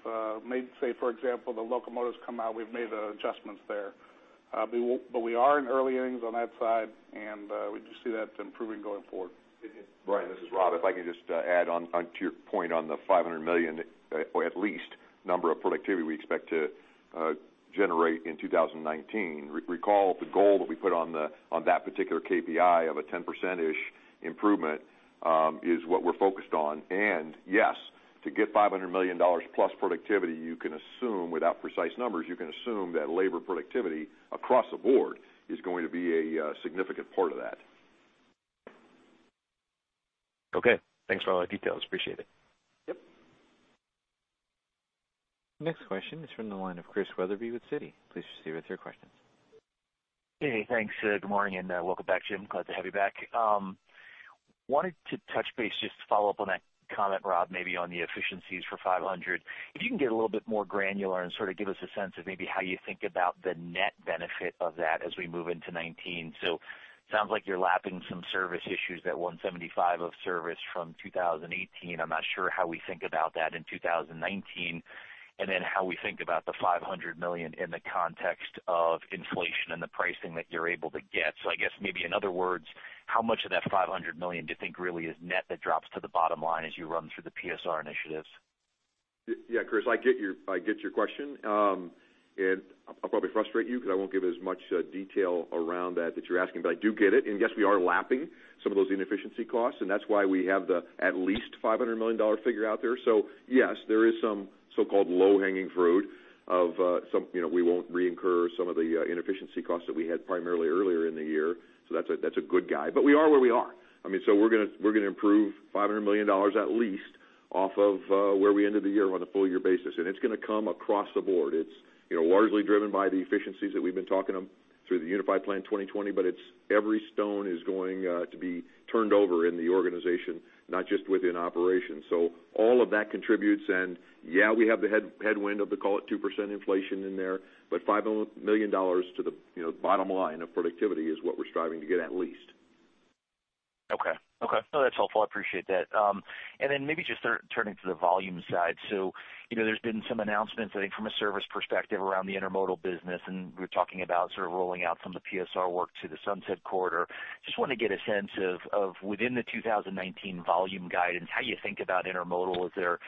S5: made, say, for example, the locomotives come out, we've made adjustments there. We are in early innings on that side, and we just see that improving going forward.
S6: Brian, this is Rob. If I can just add on to your point on the $500 million, or at least number of productivity we expect to generate in 2019. Recall the goal that we put on that particular KPI of a 10%-ish improvement is what we're focused on. Yes, to get $500 million-plus productivity, you can assume, without precise numbers, you can assume that labor productivity across the board is going to be a significant part of that.
S8: Okay. Thanks for all the details. Appreciate it.
S6: Yep.
S1: Next question is from the line of Chris Wetherbee with Citi. Please proceed with your questions.
S9: Hey, thanks. Good morning, and welcome back, Jim. Glad to have you back. Wanted to touch base just to follow up on that comment, Rob, maybe on the efficiencies for $500 million. If you can get a little bit more granular and sort of give us a sense of maybe how you think about the net benefit of that as we move into 2019. Sounds like you're lapping some service issues at $175 million of service from 2018. I'm not sure how we think about that in 2019, and then how we think about the $500 million in the context of inflation and the pricing that you're able to get. I guess maybe in other words, how much of that $500 million do you think really is net that drops to the bottom line as you run through the PSR initiatives?
S6: Yeah, Chris, I get your question. I'll probably frustrate you because I won't give it as much detail around that you're asking, but I do get it. Yes, we are lapping some of those inefficiency costs, and that's why we have the at least $500 million figure out there. Yes, there is some so-called low-hanging fruit, we won't reoccur some of the inefficiency costs that we had primarily earlier in the year. That's a good guide. We are where we are. We're going to improve $500 million at least off of where we ended the year on a full year basis, and it's going to come across the board. It's largely driven by the efficiencies that we've been talking through the Unified Plan 2020, but every stone is going to be turned over in the organization, not just within operations. All of that contributes, and yeah, we have the headwind of the call it 2% inflation in there, but $500 million to the bottom line of productivity is what we're striving to get at least.
S9: Okay. No, that's helpful, appreciate that. Maybe just turning to the volume side. There's been some announcements, I think, from a service perspective around the intermodal business, and we're talking about sort of rolling out some of the PSR work to the Sunset Corridor. Just want to get a sense of within the 2019 volume guidance, how you think about intermodal. Is there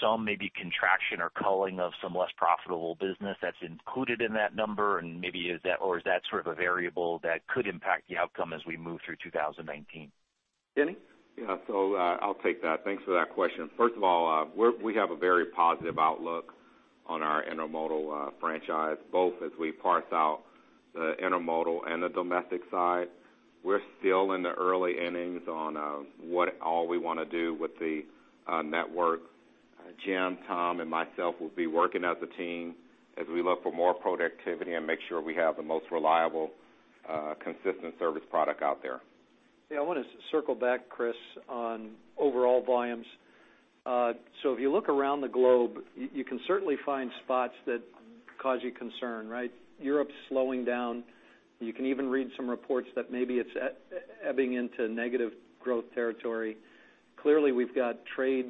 S9: some maybe contraction or culling of some less profitable business that's included in that number, and maybe is that, or is that sort of a variable that could impact the outcome as we move through 2019?
S6: Kenny?
S4: I'll take that. Thanks for that question. First of all, we have a very positive outlook on our intermodal franchise, both as we parse out the intermodal and the domestic side. We're still in the early innings on what all we want to do with the network. Jim, Tom, and myself will be working as a team as we look for more productivity and make sure we have the most reliable, consistent service product out there.
S2: I want to circle back, Chris, on overall volumes. If you look around the globe, you can certainly find spots that cause you concern, right? Europe's slowing down. You can even read some reports that maybe it's ebbing into negative growth territory. Clearly, we've got trade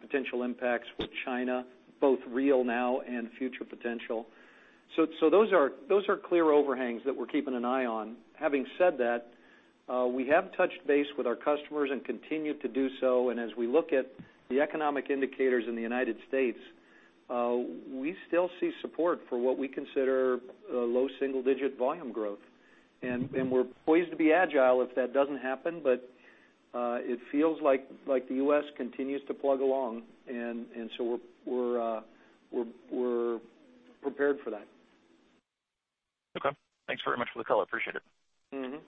S2: potential impacts with China, both real now and future potential. Those are clear overhangs that we're keeping an eye on. Having said that, we have touched base with our customers and continue to do so, and as we look at the economic indicators in the U.S., we still see support for what we consider low single-digit volume growth. We're poised to be agile if that doesn't happen, but it feels like the U.S. continues to plug along, we're prepared for that.
S9: Okay. Thanks very much for the call. Appreciate it.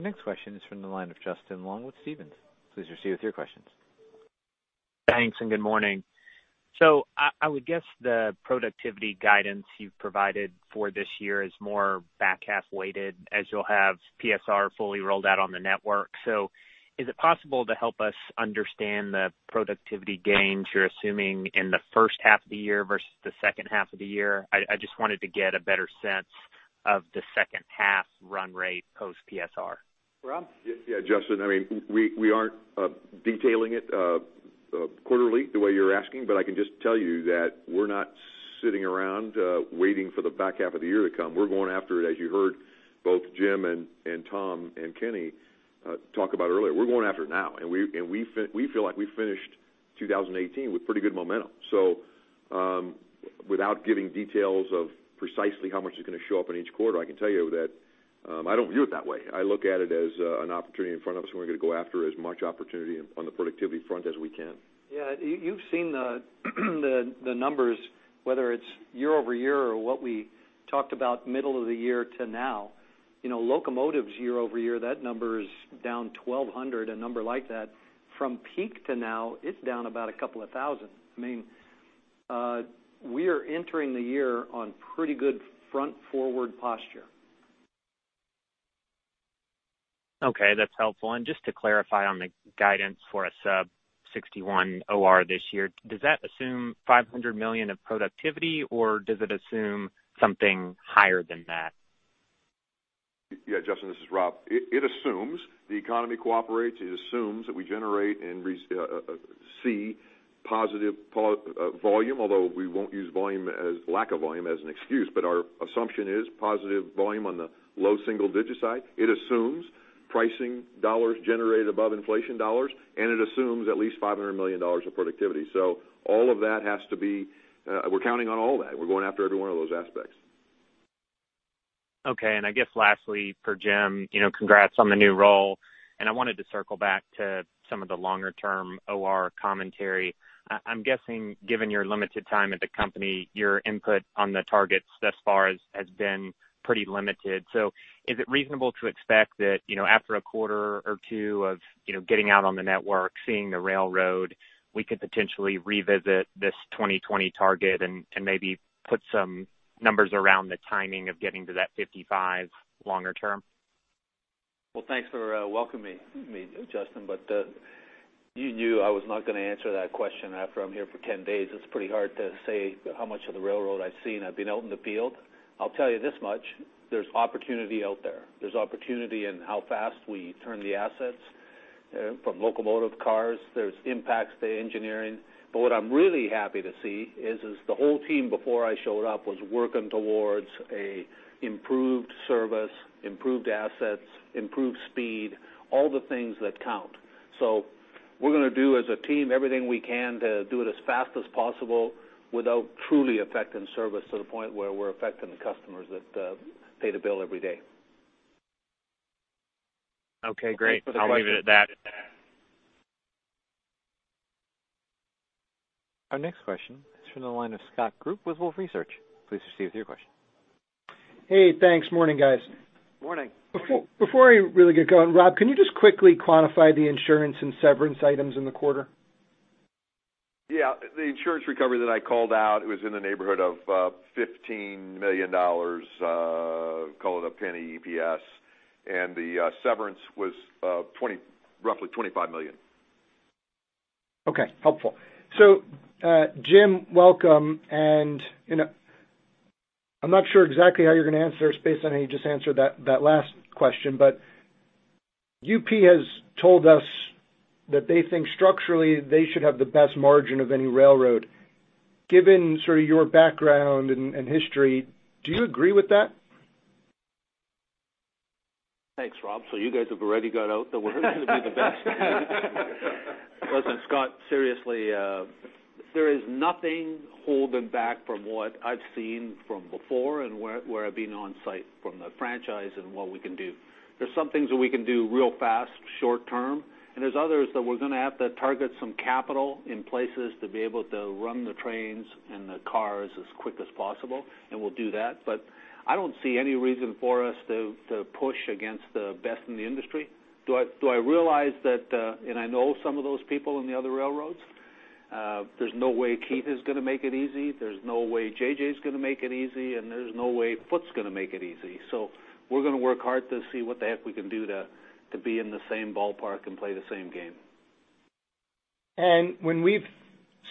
S1: Next question is from the line of Justin Long with Stephens. Please proceed with your questions.
S10: Thanks. Good morning. I would guess the productivity guidance you've provided for this year is more back half weighted as you'll have PSR fully rolled out on the network. Is it possible to help us understand the productivity gains you're assuming in the first half of the year versus the second half of the year? I just wanted to get a better sense of the second half run rate post PSR.
S2: Rob?
S6: Justin, we aren't detailing it quarterly the way you're asking, I can just tell you that we're not sitting around waiting for the back half of the year to come. We're going after it, as you heard both Jim and Tom and Kenny talk about earlier. We're going after it now, we feel like we finished 2018 with pretty good momentum. Without giving details of precisely how much is going to show up in each quarter, I can tell you that I don't view it that way. I look at it as an opportunity in front of us, we're going after as much opportunity on the productivity front as we can. You've seen the numbers, whether it's year-over-year or what we talked about middle of the year to now. Locomotives year-over-year, that number is down 1,200, a number like that. From peak to now, it's down about a couple of thousand. We are entering the year on pretty good front forward posture.
S10: That's helpful. Just to clarify on the guidance for a sub-61 OR this year, does that assume $500 million of productivity, does it assume something higher than that?
S6: Yeah, Justin, this is Rob. It assumes the economy cooperates. It assumes that we generate and see positive volume, although we won't use lack of volume as an excuse. Our assumption is positive volume on the low single-digit side. It assumes pricing dollars generated above inflation dollars, and it assumes at least $500 million of productivity. We're counting on all that. We're going after every one of those aspects.
S10: Okay. I guess lastly, for Jim, congrats on the new role. I wanted to circle back to some of the longer-term OR commentary. I'm guessing, given your limited time at the company, your input on the targets thus far has been pretty limited. Is it reasonable to expect that after a quarter or two of getting out on the network, seeing the railroad, we could potentially revisit this 2020 target and maybe put some numbers around the timing of getting to that 55 longer term?
S3: Well, thanks for welcoming me, Justin. You knew I was not going to answer that question after I'm here for 10 days. It's pretty hard to say how much of the railroad I've seen. I've been out in the field. I'll tell you this much, there's opportunity out there. There's opportunity in how fast we turn the assets from locomotive cars. There's impacts to engineering. What I'm really happy to see is the whole team before I showed up was working towards improved service, improved assets, improved speed, all the things that count. We're going to do as a team everything we can to do it as fast as possible without truly affecting service to the point where we're affecting the customers that pay the bill every day.
S10: Okay, great. I'll leave it at that.
S1: Our next question is from the line of Scott Group with Wolfe Research. Please proceed with your question.
S11: Hey, thanks. Morning, guys.
S3: Morning.
S11: Before I really get going, Rob, can you just quickly quantify the insurance and severance items in the quarter?
S6: Yeah. The insurance recovery that I called out, it was in the neighborhood of $15 million, call it $0.01 EPS, and the severance was roughly $25 million.
S11: Okay. Helpful. Jim, welcome. I'm not sure exactly how you're going to answer this based on how you just answered that last question, UP has told us that they think structurally they should have the best margin of any railroad. Given your background and history, do you agree with that?
S3: Thanks, Rob. You guys have already got out that we're going to be the best. Listen, Scott, seriously, there is nothing holding back from what I've seen from before and where I've been on site from the franchise and what we can do. There's some things that we can do real fast short-term, there's others that we're going to have to target some capital in places to be able to run the trains and the cars as quick as possible, and we'll do that. I don't see any reason for us to push against the best in the industry. Do I realize that, I know some of those people in the other railroads? There's no way Keith is going to make it easy. There's no way JJ is going to make it easy, there's no way Foot's going to make it easy. We're going to work hard to see what the heck we can do to be in the same ballpark and play the same game.
S11: When we've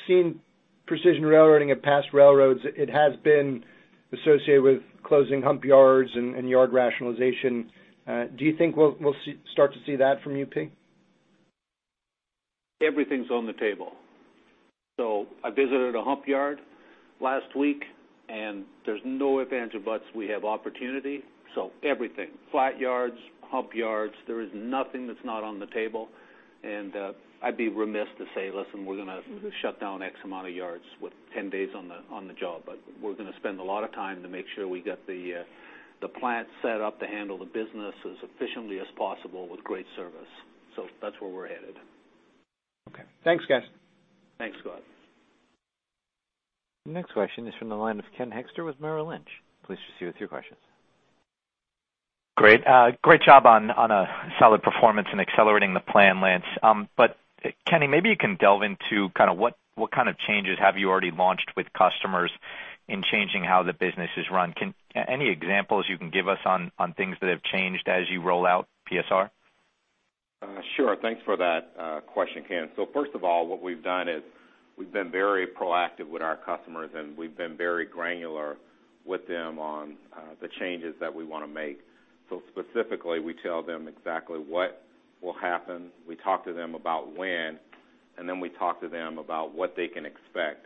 S11: seen Precision Railroading at past railroads, it has been associated with closing hump yards and yard rationalization. Do you think we'll start to see that from UP?
S3: Everything's on the table. I visited a hump yard last week, and there's no if, ands, or buts. We have opportunity. Everything, flat yards, hump yards, there is nothing that's not on the table, and I'd be remiss to say, listen, we're going to shut down X amount of yards with 10 days on the job. We're going to spend a lot of time to make sure we got the plant set up to handle the business as efficiently as possible with great service. That's where we're headed.
S11: Okay. Thanks, guys.
S3: Thanks, Scott.
S1: The next question is from the line of Ken Hoexter with Merrill Lynch. Please proceed with your questions.
S12: Great job on a solid performance and accelerating the plan, Lance. Kenny, maybe you can delve into what kind of changes have you already launched with customers in changing how the business is run. Any examples you can give us on things that have changed as you roll out PSR?
S4: Sure. Thanks for that question, Ken. First of all, what we've done is we've been very proactive with our customers, and we've been very granular with them on the changes that we want to make. Specifically, we tell them exactly what will happen. We talk to them about when, and then we talk to them about what they can expect.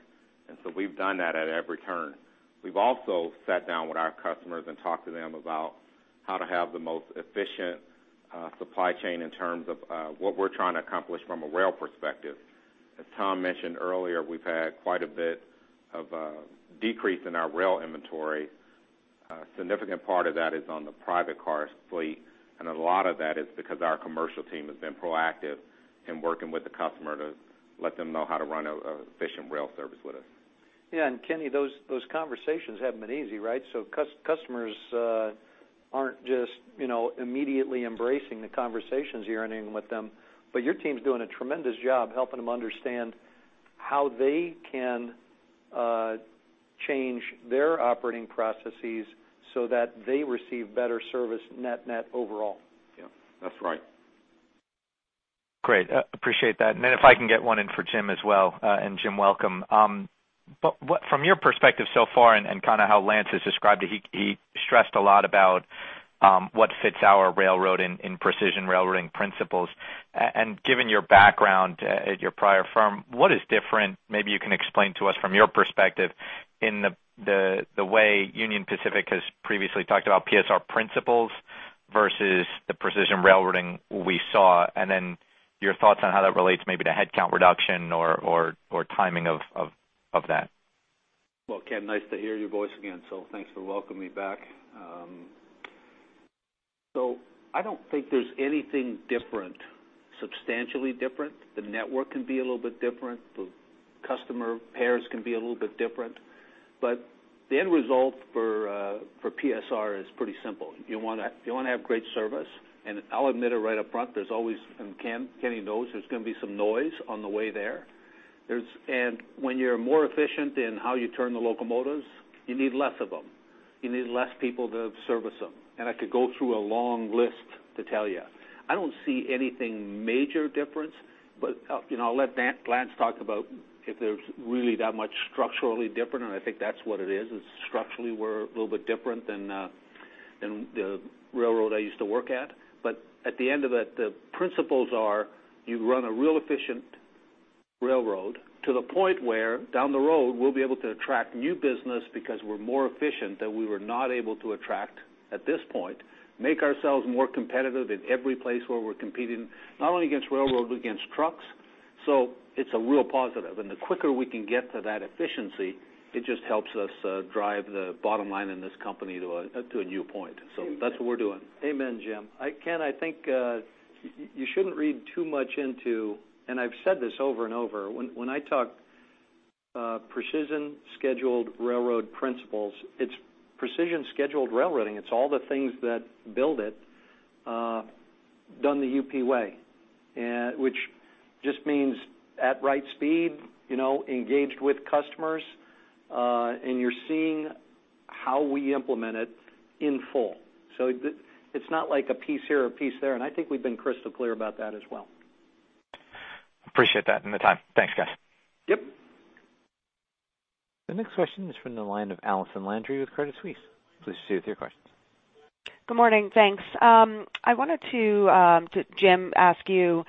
S4: We've done that at every turn. We've also sat down with our customers and talked to them about how to have the most efficient supply chain in terms of what we're trying to accomplish from a rail perspective. As Tom mentioned earlier, we've had quite a bit of a decrease in our rail inventory. A significant part of that is on the private car fleet, and a lot of that is because our commercial team has been proactive in working with the customer to let them know how to run an efficient rail service with us.
S2: Yeah, Kenny, those conversations haven't been easy, right? Customers aren't just immediately embracing the conversations you're in with them, but your team's doing a tremendous job helping them understand how they can change their operating processes so that they receive better service net overall.
S4: Yeah. That's right.
S12: Great. Appreciate that. Then if I can get one in for Jim as well, Jim, welcome. From your perspective so far and how Lance has described it, he stressed a lot about what fits our railroad in Precision Railroading principles. Given your background at your prior firm, what is different, maybe you can explain to us from your perspective, in the way Union Pacific has previously talked about PSR principles versus the Precision Railroading we saw? Then your thoughts on how that relates maybe to headcount reduction or timing of that.
S3: Well, Ken, nice to hear your voice again. Thanks for welcoming me back. I don't think there's anything different, substantially different. The network can be a little bit different. The customer pairs can be a little bit different, but the end result for PSR is pretty simple. You want to have great service, and I'll admit it right up front, there's always, and Kenny knows, there's going to be some noise on the way there. When you're more efficient in how you turn the locomotives, you need less of them. You need less people to service them. I could go through a long list to tell you. I don't see anything major difference, but I'll let Lance talk about if there's really that much structurally different, and I think that's what it is. It's structurally we're a little bit different than the railroad I used to work at. At the end of it, the principles are you run a real efficient railroad to the point where down the road, we'll be able to attract new business because we're more efficient that we were not able to attract at this point, make ourselves more competitive in every place where we're competing, not only against railroads, but against trucks. It's a real positive, and the quicker we can get to that efficiency, it just helps us drive the bottom line in this company to a new point. That's what we're doing.
S2: Amen, Jim. Ken, I think you shouldn't read too much into, and I've said this over and over, when I talk Precision Scheduled Railroad principles, it's Precision Scheduled Railroading. It's all the things that build it, done the UP way, which just means at right speed, engaged with customers, and you're seeing how we implement it in full. It's not like a piece here or a piece there, and I think we've been crystal clear about that as well.
S12: Appreciate that and the time. Thanks, guys.
S2: Yep.
S1: The next question is from the line of Allison Landry with Credit Suisse. Please proceed with your question.
S13: Good morning. Thanks. I wanted to, Jim, ask you,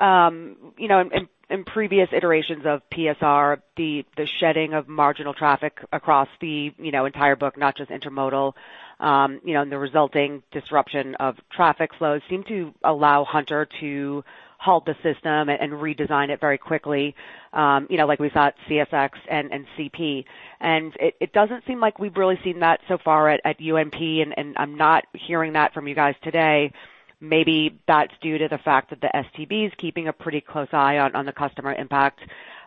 S13: in previous iterations of PSR, the shedding of marginal traffic across the entire book, not just intermodal, and the resulting disruption of traffic flows seemed to allow Hunter to halt the system and redesign it very quickly like we saw at CSX and CP. It doesn't seem like we've really seen that so far at UNP, and I'm not hearing that from you guys today. Maybe that's due to the fact that the STB is keeping a pretty close eye on the customer impact.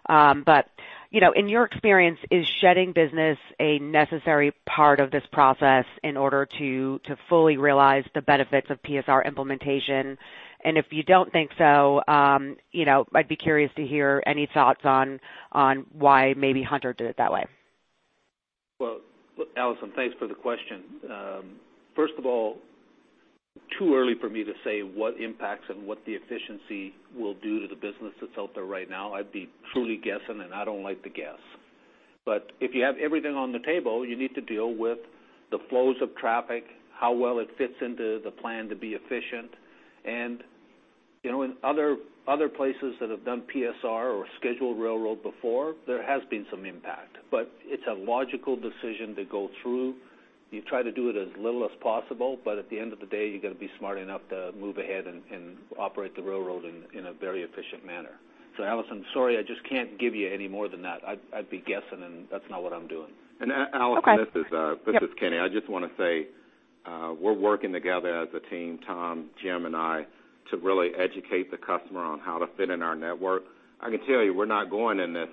S13: In your experience, is shedding business a necessary part of this process in order to fully realize the benefits of PSR implementation? If you don't think so, I'd be curious to hear any thoughts on why maybe Hunter did it that way.
S3: Well, Allison, thanks for the question. First of all, too early for me to say what impacts and what the efficiency will do to the business that's out there right now. I'd be truly guessing, and I don't like to guess. If you have everything on the table, you need to deal with the flows of traffic, how well it fits into the plan to be efficient, and in other places that have done PSR or Scheduled Railroad before, there has been some impact. It's a logical decision to go through. You try to do it as little as possible, but at the end of the day, you got to be smart enough to move ahead and operate the railroad in a very efficient manner. Allison, sorry, I just can't give you any more than that. I'd be guessing, and that's not what I'm doing.
S13: Okay.
S4: Allison, this is Kenny. I just want to say, we're working together as a team, Tom, Jim, and I, to really educate the customer on how to fit in our network. I can tell you, we're not going in this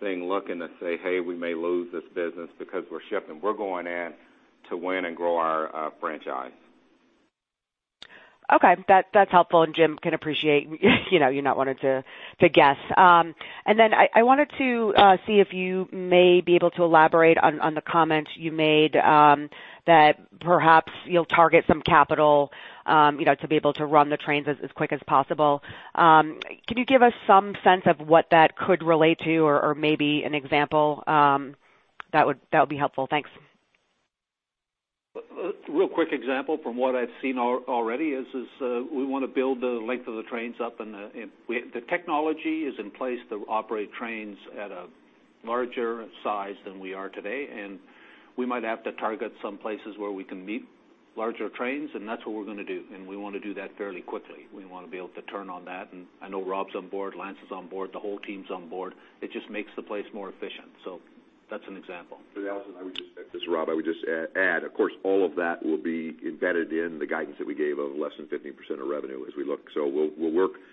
S4: thing looking to say, "Hey, we may lose this business because we're shipping." We're going in to win and grow our franchise.
S13: Okay. That's helpful, and Jim can appreciate you not wanting to guess. I wanted to see if you may be able to elaborate on the comments you made that perhaps you'll target some capital to be able to run the trains as quick as possible. Can you give us some sense of what that could relate to or maybe an example? That would be helpful. Thanks.
S3: A real quick example from what I've seen already is we want to build the length of the trains up, and the technology is in place to operate trains at a larger size than we are today. We might have to target some places where we can meet larger trains, and that's what we're going to do, and we want to do that fairly quickly. We want to be able to turn on that, and I know Rob's on board, Lance's on board, the whole team's on board. It just makes the place more efficient. That's an example.
S6: This is Rob. I would just add, of course, all of that will be embedded in the guidance that we gave of less than 15% of revenue as we look.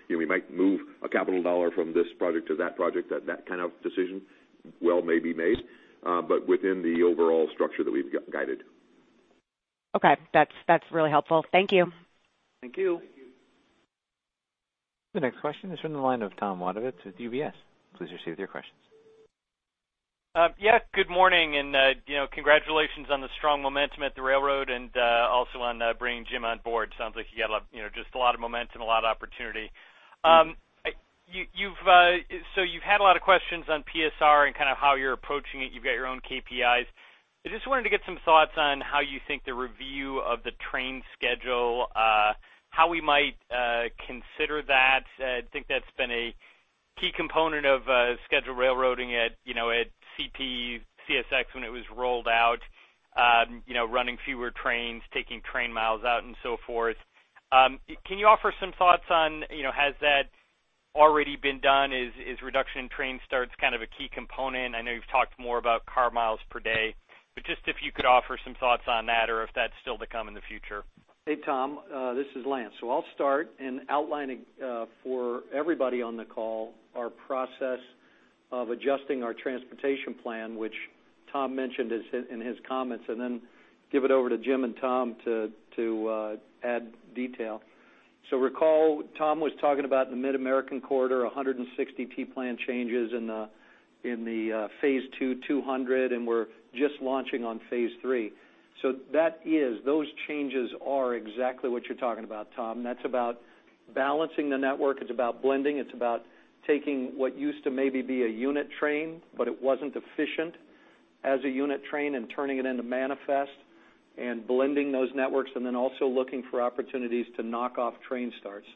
S6: We might move a capital $1 from this project to that project. That kind of decision well may be made, but within the overall structure that we've guided.
S13: Okay. That's really helpful. Thank you.
S2: Thank you.
S6: Thank you.
S1: The next question is from the line of Tom Wadewitz with UBS. Please proceed with your questions.
S14: Yeah, good morning, and congratulations on the strong momentum at the railroad and also on bringing Jim on board. Sounds like you got just a lot of momentum, a lot of opportunity. You've had a lot of questions on PSR and how you're approaching it. You've got your own KPIs. I just wanted to get some thoughts on how you think the review of the train schedule, how we might consider that. I think that's been a key component of scheduled railroading at CP, CSX when it was rolled out, running fewer trains, taking train miles out and so forth. Can you offer some thoughts on, has that already been done? Is reduction in train starts kind of a key component? I know you've talked more about car miles per day, but just if you could offer some thoughts on that or if that's still to come in the future.
S2: Hey, Tom. This is Lance. I'll start in outlining for everybody on the call our process of adjusting our transportation plan, which Tom mentioned in his comments, and then give it over to Jim and Tom to add detail. Recall, Tom was talking about the Mid-America Corridor, 160 transportation plan changes in the phase II, 200, and we're just launching on phase III. Those changes are exactly what you're talking about, Tom, and that's about balancing the network. It's about blending. It's about taking what used to maybe be a unit train, but it wasn't efficient as a unit train, and turning it into manifest and blending those networks, and then also looking for opportunities to knock off train starts,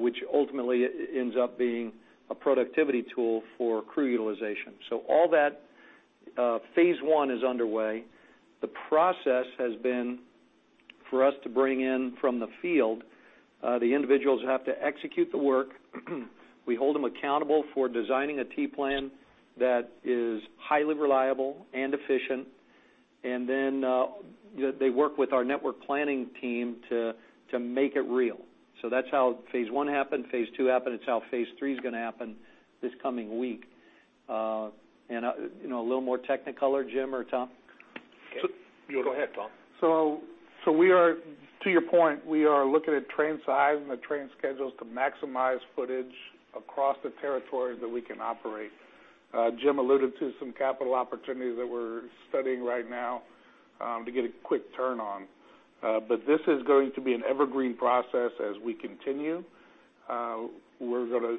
S2: which ultimately ends up being a productivity tool for crew utilization. All that phase I is underway. The process has been for us to bring in from the field the individuals who have to execute the work. We hold them accountable for designing a transportation plan that is highly reliable and efficient, and then they work with our network planning team to make it real. That's how phase I happened, phase II happened. It's how phase III is going to happen this coming week. A little more Technicolor, Jim or Tom? Go ahead, Tom.
S5: To your point, we are looking at train size and the train schedules to maximize footage across the territory that we can operate. Jim alluded to some capital opportunities that we're studying right now to get a quick turn on. This is going to be an evergreen process as we continue. We're going to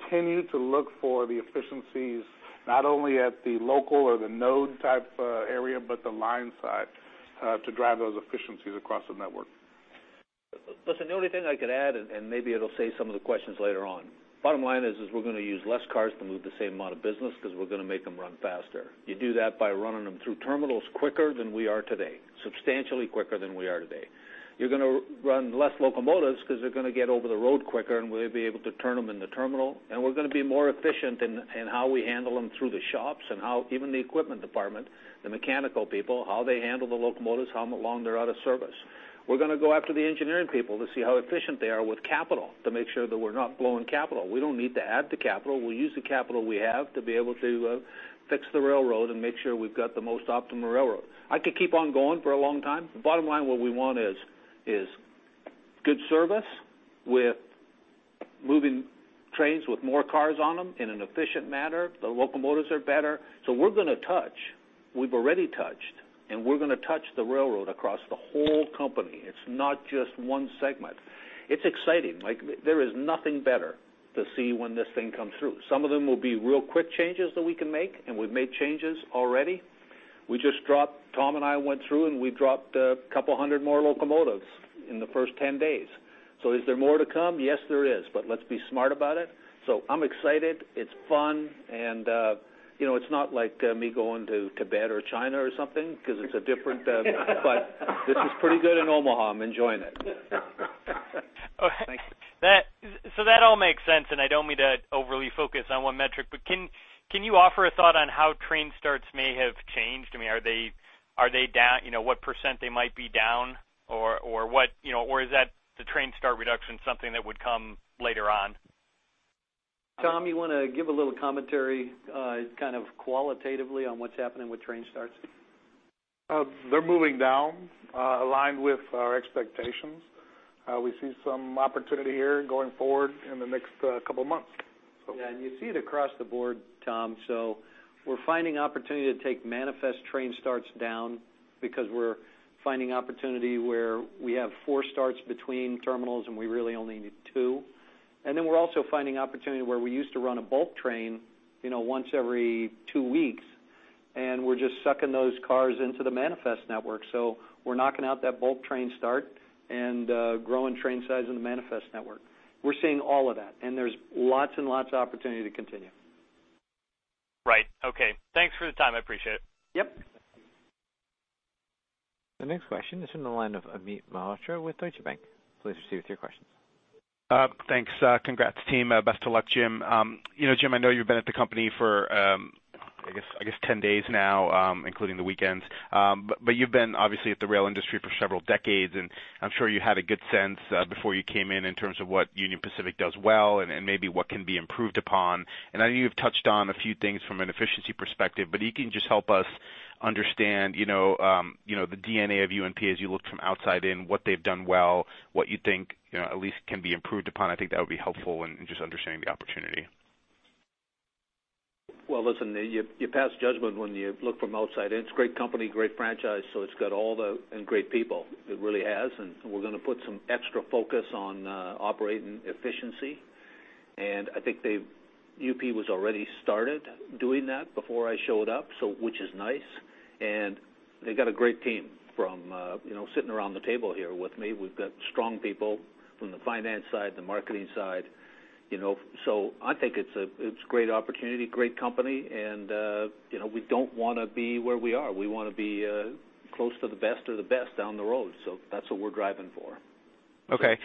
S5: continue to look for the efficiencies not only at the local or the node type area, but the line side to drive those efficiencies across the network.
S3: Listen, the only thing I could add, and maybe it'll save some of the questions later on. Bottom line is we're going to use less cars to move the same amount of business because we're going to make them run faster. You do that by running them through terminals quicker than we are today, substantially quicker than we are today. You're going to run less locomotives because they're going to get over the road quicker, and we'll be able to turn them in the terminal, and we're going to be more efficient in how we handle them through the shops and how even the equipment department, the mechanical people, how they handle the locomotives, how long they're out of service. We're going to go after the engineering people to see how efficient they are with capital to make sure that we're not blowing capital. We don't need to add to capital. We'll use the capital we have to be able to fix the railroad and make sure we've got the most optimal railroad. I could keep on going for a long time. The bottom line, what we want is good service with moving trains with more cars on them in an efficient manner. The locomotives are better. We're going to touch, we've already touched, and we're going to touch the railroad across the whole company. It's not just one segment. It's exciting. There is nothing better to see when this thing comes through. Some of them will be real quick changes that we can make, and we've made changes already. Tom and I went through, and we dropped 200 more locomotives in the first 10 days. Is there more to come?
S2: Yes, there is, but let's be smart about it. I'm excited. It's fun, and it's not like me going to Tibet or China or something because it's different but this is pretty good in Omaha. I'm enjoying it.
S14: Okay. That all makes sense, and I don't mean to overly focus on one metric, but can you offer a thought on how train starts may have changed? What % they might be down, or is the train start reduction something that would come later on?
S2: Tom, you want to give a little commentary kind of qualitatively on what's happening with train starts?
S5: They're moving down, aligned with our expectations. We see some opportunity here going forward in the next couple of months.
S2: Yeah, you see it across the board, Tom. We're finding opportunity to take manifest train starts down because we're finding opportunity where we have four starts between terminals and we really only need two. Then we're also finding opportunity where we used to run a bulk train once every two weeks, we're just sucking those cars into the manifest network. We're knocking out that bulk train start and growing train size in the manifest network. We're seeing all of that, there's lots and lots of opportunity to continue.
S14: Right. Okay. Thanks for the time. I appreciate it.
S2: Yep.
S1: The next question is from the line of Amit Mehrotra with Deutsche Bank. Please proceed with your questions.
S15: Thanks. Congrats team. Best of luck, Jim. Jim, I know you've been at the company for, I guess, 10 days now, including the weekends. You've been, obviously, at the rail industry for several decades, and I'm sure you had a good sense before you came in terms of what Union Pacific does well and maybe what can be improved upon. I know you've touched on a few things from an efficiency perspective, if you can just help us understand the DNA of UNP as you look from outside in, what they've done well, what you think at least can be improved upon. I think that would be helpful in just understanding the opportunity.
S3: Well, listen, you pass judgment when you look from outside in. It's a great company, great franchise, and great people. It really has, we're going to put some extra focus on operating efficiency. I think UP was already started doing that before I showed up, which is nice. They've got a great team from sitting around the table here with me. We've got strong people from the finance side, the marketing side. I think it's a great opportunity, great company, we don't want to be where we are. We want to be close to the best of the best down the road. That's what we're driving for.
S15: Okay.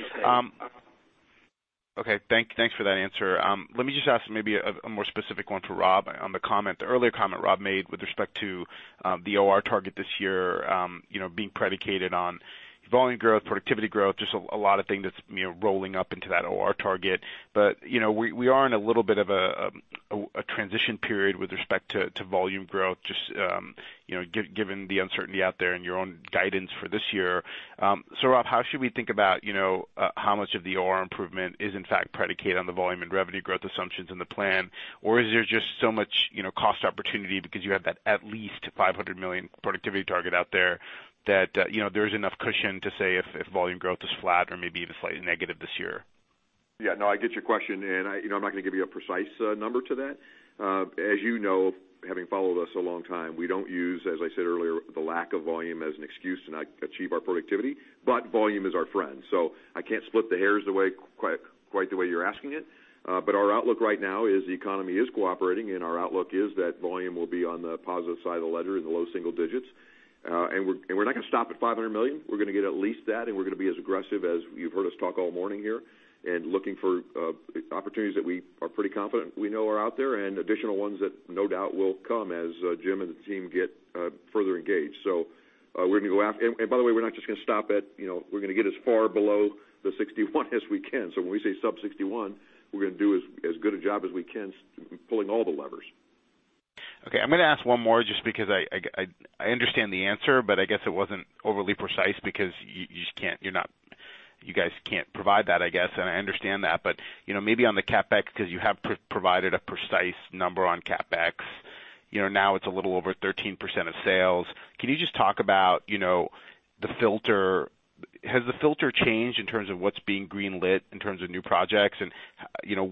S15: Thanks for that answer. Let me just ask maybe a more specific one for Rob on the earlier comment Rob made with respect to the OR target this year being predicated on volume growth, productivity growth, just a lot of things that's rolling up into that OR target. We are in a little bit of a transition period with respect to volume growth, just given the uncertainty out there and your own guidance for this year. Rob, how should we think about how much of the OR improvement is in fact predicated on the volume and revenue growth assumptions in the plan? Is there just so much cost opportunity because you have that at least $500 million productivity target out there that there's enough cushion to say if volume growth is flat or maybe even slightly negative this year?
S6: Yeah. No, I get your question. I'm not going to give you a precise number to that. As you know, having followed us a long time, we don't use, as I said earlier, the lack of volume as an excuse to not achieve our productivity, but volume is our friend. I can't split the hairs quite the way you're asking it. Our outlook right now is the economy is cooperating, and our outlook is that volume will be on the positive side of the ledger in the low single digits. We're not going to stop at $500 million. We're going to get at least that, and we're going to be as aggressive as you've heard us talk all morning here and looking for opportunities that we are pretty confident we know are out there and additional ones that no doubt will come as Jim and the team get further engaged. We're going to go after-- and by the way, we're not just going to stop at, we're going to get as far below the 61 as we can. When we say sub 61, we're going to do as good a job as we can pulling all the levers.
S15: Okay. I'm going to ask one more just because I understand the answer, but I guess it wasn't overly precise because you guys can't provide that, I guess, and I understand that. Maybe on the CapEx, because you have provided a precise number on CapEx. Now it's a little over 13% of sales. Can you just talk about the filter? Has the filter changed in terms of what's being greenlit in terms of new projects, and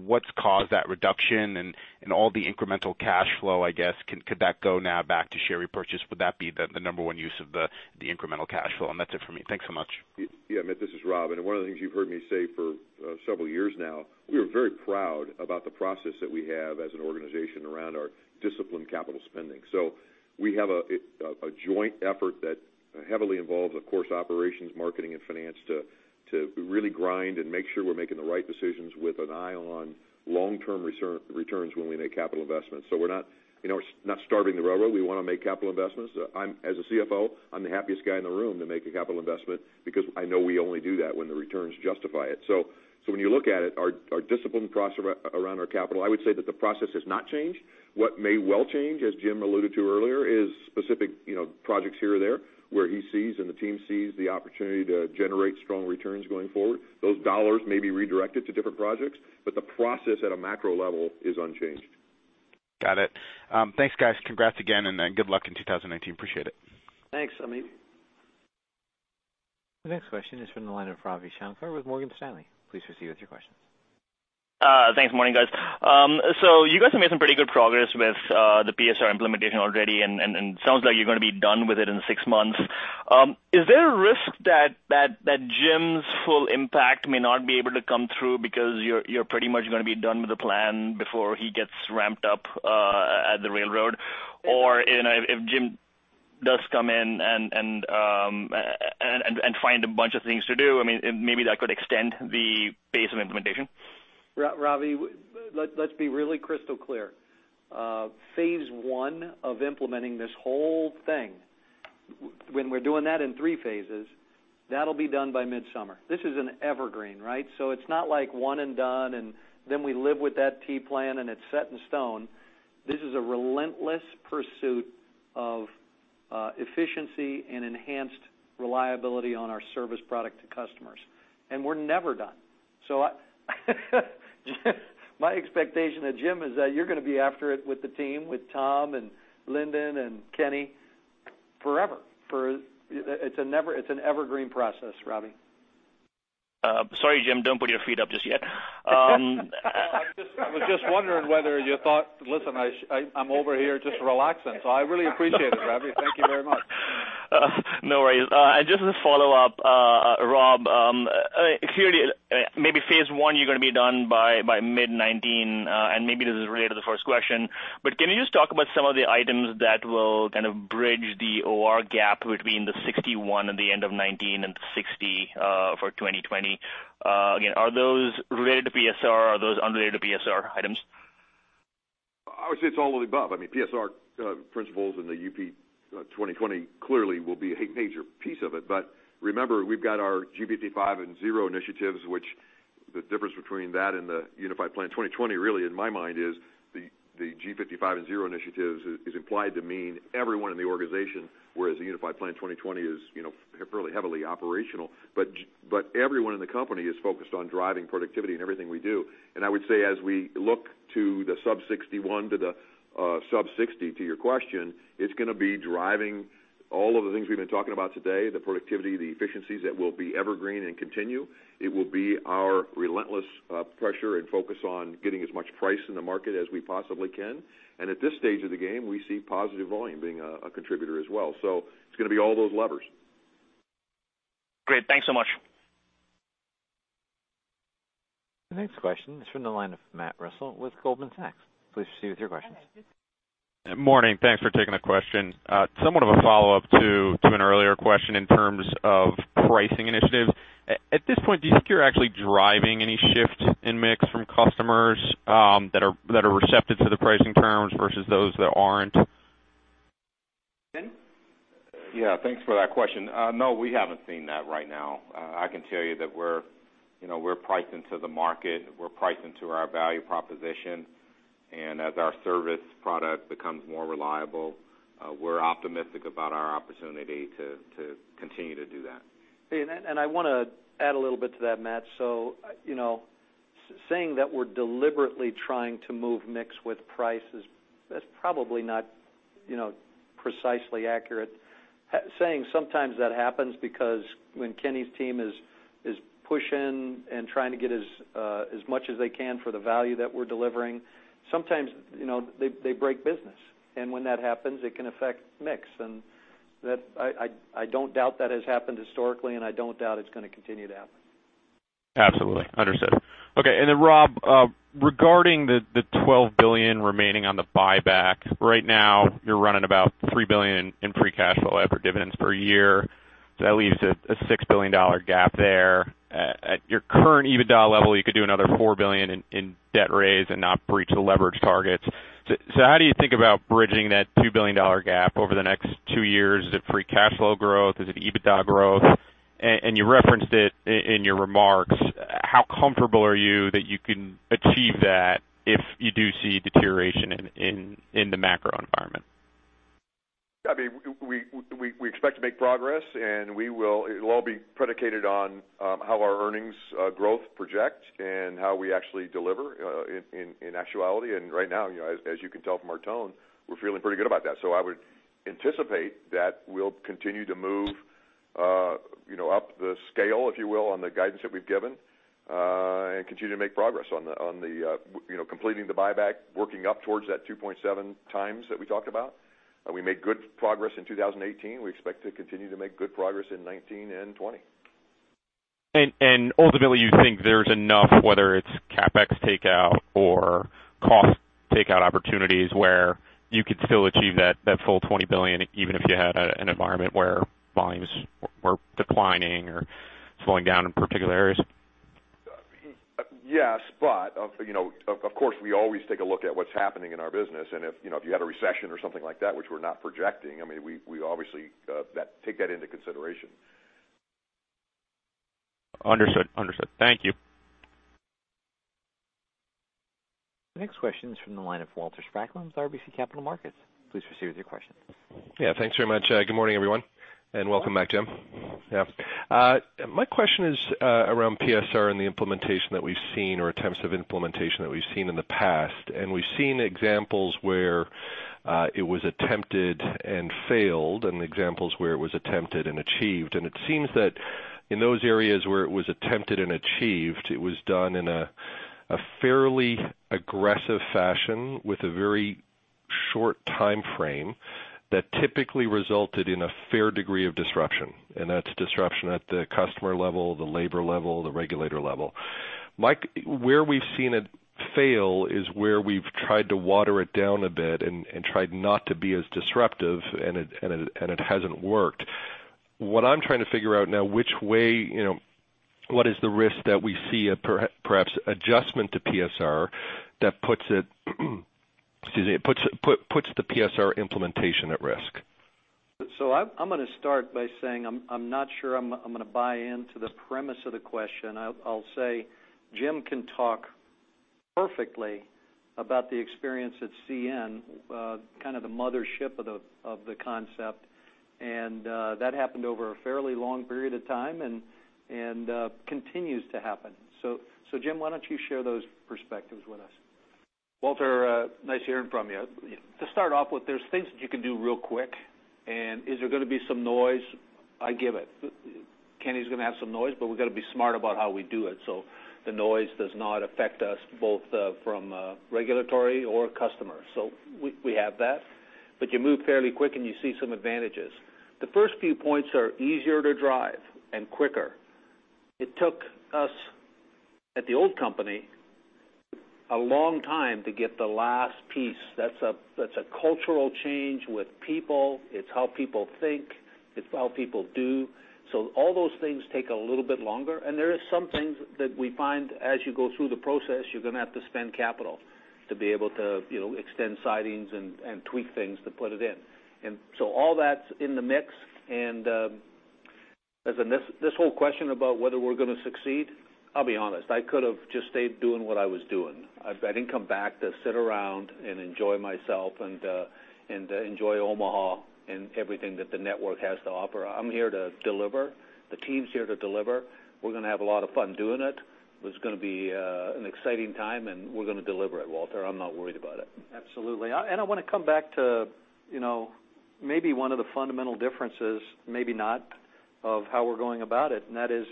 S15: what's caused that reduction and all the incremental cash flow, I guess, could that go now back to share repurchase? Would that be the number one use of the incremental cash flow? That's it for me. Thanks so much.
S6: Yeah, Amit, this is Rob. One of the things you've heard me say for several years now, we are very proud about the process that we have as an organization around our disciplined capital spending. We have a joint effort that heavily involves, of course, operations, marketing, and finance to really grind and make sure we're making the right decisions with an eye on long-term returns when we make capital investments. We're not starving the railroad. We want to make capital investments. As a CFO, I'm the happiest guy in the room to make a capital investment because I know we only do that when the returns justify it. When you look at it, our discipline around our capital, I would say that the process has not changed. What may well change, as Jim alluded to earlier, is specific projects here or there where he sees and the team sees the opportunity to generate strong returns going forward. Those dollars may be redirected to different projects, but the process at a macro level is unchanged.
S15: Got it. Thanks, guys. Congrats again, and good luck in 2019. Appreciate it.
S2: Thanks, Amit.
S1: The next question is from the line of Ravi Shanker with Morgan Stanley. Please proceed with your questions.
S16: Thanks. Morning, guys. You guys have made some pretty good progress with the PSR implementation already, and it sounds like you're going to be done with it in six months. Is there a risk that Jim's full impact may not be able to come through because you're pretty much going to be done with the plan before he gets ramped up at the railroad? Or if Jim does come in and find a bunch of things to do, maybe that could extend the pace of implementation?
S2: Ravi, let's be really crystal clear. Phase I of implementing this whole thing, when we're doing that in three phases, that'll be done by midsummer. This is an evergreen. It's not like one and done, and then we live with that T plan and it's set in stone. This is a relentless pursuit of efficiency and enhanced reliability on our service product to customers. We're never done. My expectation of Jim is that you're going to be after it with the team, with Tom and Lynden and Kenny forever. It's an evergreen process, Ravi.
S16: Sorry, Jim, don't put your feet up just yet.
S3: Listen, I'm over here just relaxing, so I really appreciate it, Ravi. Thank you very much.
S16: No worries. Just as a follow-up, Rob, clearly, maybe phase I you're going to be done by mid-2019, and maybe this is related to the first question, but can you just talk about some of the items that will kind of bridge the OR gap between the 61% at the end of 2019 and the 60% for 2020? Again, are those related to PSR, are those unrelated to PSR items?
S6: I would say it's all of the above. PSR principles in the UP 2020 clearly will be a major piece of it. Remember, we've got our G55 and Zero initiatives, which the difference between that and the Unified Plan 2020, really in my mind is the G55 and Zero initiatives is implied to mean everyone in the organization, whereas the Unified Plan 2020 is fairly heavily operational. Everyone in the company is focused on driving productivity in everything we do. I would say as we look to the sub-61% to the sub-60%, to your question, it's going to be driving all of the things we've been talking about today, the productivity, the efficiencies that will be evergreen and continue. It will be our relentless pressure and focus on getting as much price in the market as we possibly can. At this stage of the game, we see positive volume being a contributor as well. It's going to be all those levers.
S16: Great. Thanks so much.
S1: The next question is from the line of Matt Brusselle with Goldman Sachs. Please proceed with your questions.
S17: Morning. Thanks for taking the question. Somewhat of a follow-up to an earlier question in terms of pricing initiatives. At this point, do you think you're actually driving any shift in mix from customers that are receptive to the pricing terms versus those that aren't?
S2: Ken?
S4: Yeah, thanks for that question. No, we haven't seen that right now. I can tell you that we're pricing to the market, we're pricing to our value proposition. As our service product becomes more reliable, we're optimistic about our opportunity to continue to do that.
S2: I want to add a little bit to that, Matt. Saying that we're deliberately trying to move mix with price is probably not precisely accurate. Saying sometimes that happens because when Kenny's team is pushing and trying to get as much as they can for the value that we're delivering, sometimes they break business. When that happens, it can affect mix. I don't doubt that has happened historically, and I don't doubt it's going to continue to happen.
S17: Absolutely. Understood. Okay, Rob, regarding the $12 billion remaining on the buyback, right now you're running about $3 billion in free cash flow after dividends per year. That leaves a $6 billion gap there. At your current EBITDA level, you could do another $4 billion in debt raise and not breach the leverage targets. How do you think about bridging that $2 billion gap over the next two years? Is it free cash flow growth? Is it EBITDA growth? You referenced it in your remarks, how comfortable are you that you can achieve that if you do see deterioration in the macro environment?
S6: We expect to make progress, it will all be predicated on how our earnings growth project and how we actually deliver in actuality. Right now, as you can tell from our tone, we're feeling pretty good about that. I would anticipate that we'll continue to move up the scale, if you will, on the guidance that we've given, and continue to make progress on completing the buyback, working up towards that 2.7 times that we talked about. We made good progress in 2018. We expect to continue to make good progress in 2019 and 2020.
S17: Ultimately, you think there's enough, whether it's CapEx takeout or cost takeout opportunities, where you could still achieve that full $20 billion, even if you had an environment where volumes were declining or slowing down in particular areas?
S6: Yes, of course, we always take a look at what's happening in our business, if you had a recession or something like that, which we're not projecting, we obviously take that into consideration.
S17: Understood. Thank you.
S1: The next question is from the line of Walter Spracklin, RBC Capital Markets. Please proceed with your question.
S18: Yeah, thanks very much. Good morning, everyone, and welcome back, Jim. My question is around PSR and the implementation that we've seen or attempts of implementation that we've seen in the past. We've seen examples where it was attempted and failed, and examples where it was attempted and achieved. It seems that in those areas where it was attempted and achieved, it was done in a fairly aggressive fashion with a very short timeframe that typically resulted in a fair degree of disruption. That's disruption at the customer level, the labor level, the regulator level. Where we've seen it fail is where we've tried to water it down a bit and tried not to be as disruptive, and it hasn't worked. What I'm trying to figure out now, what is the risk that we see perhaps adjustment to PSR that puts the PSR implementation at risk?
S2: I'm going to start by saying I'm not sure I'm going to buy into the premise of the question. I'll say Jim can talk perfectly about the experience at CN, kind of the mother ship of the concept, and that happened over a fairly long period of time and continues to happen. Jim, why don't you share those perspectives with us?
S3: Walter, nice hearing from you. To start off with, there's things that you can do real quick. Is there going to be some noise? I get it. Kenny Rocker's going to have some noise, but we've got to be smart about how we do it, so the noise does not affect us both from a regulatory or customer. We have that. You move fairly quick, and you see some advantages. The first few points are easier to drive and quicker. It took us, at the old company, a long time to get the last piece. That's a cultural change with people. It's how people think. It's how people do. All those things take a little bit longer, and there is some things that we find, as you go through the process, you're going to have to spend capital to be able to extend sidings and tweak things to put it in. All that's in the mix, and this whole question about whether we're going to succeed, I'll be honest, I could have just stayed doing what I was doing. I didn't come back to sit around and enjoy myself and enjoy Omaha and everything that the network has to offer. I'm here to deliver. The team's here to deliver. We're going to have a lot of fun doing it. It's going to be an exciting time, and we're going to deliver it, Walter. I'm not worried about it.
S2: Absolutely. I want to come back to maybe one of the fundamental differences, maybe not, of how we're going about it, and that is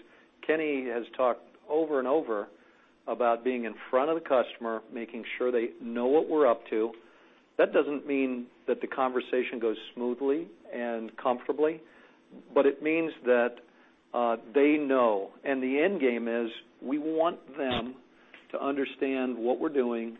S2: Kenny Rocker has talked over and over about being in front of the customer, making sure they know what we're up to. That doesn't mean that the conversation goes smoothly and comfortably, but it means that they know. The end game is we want them to understand what we're doing,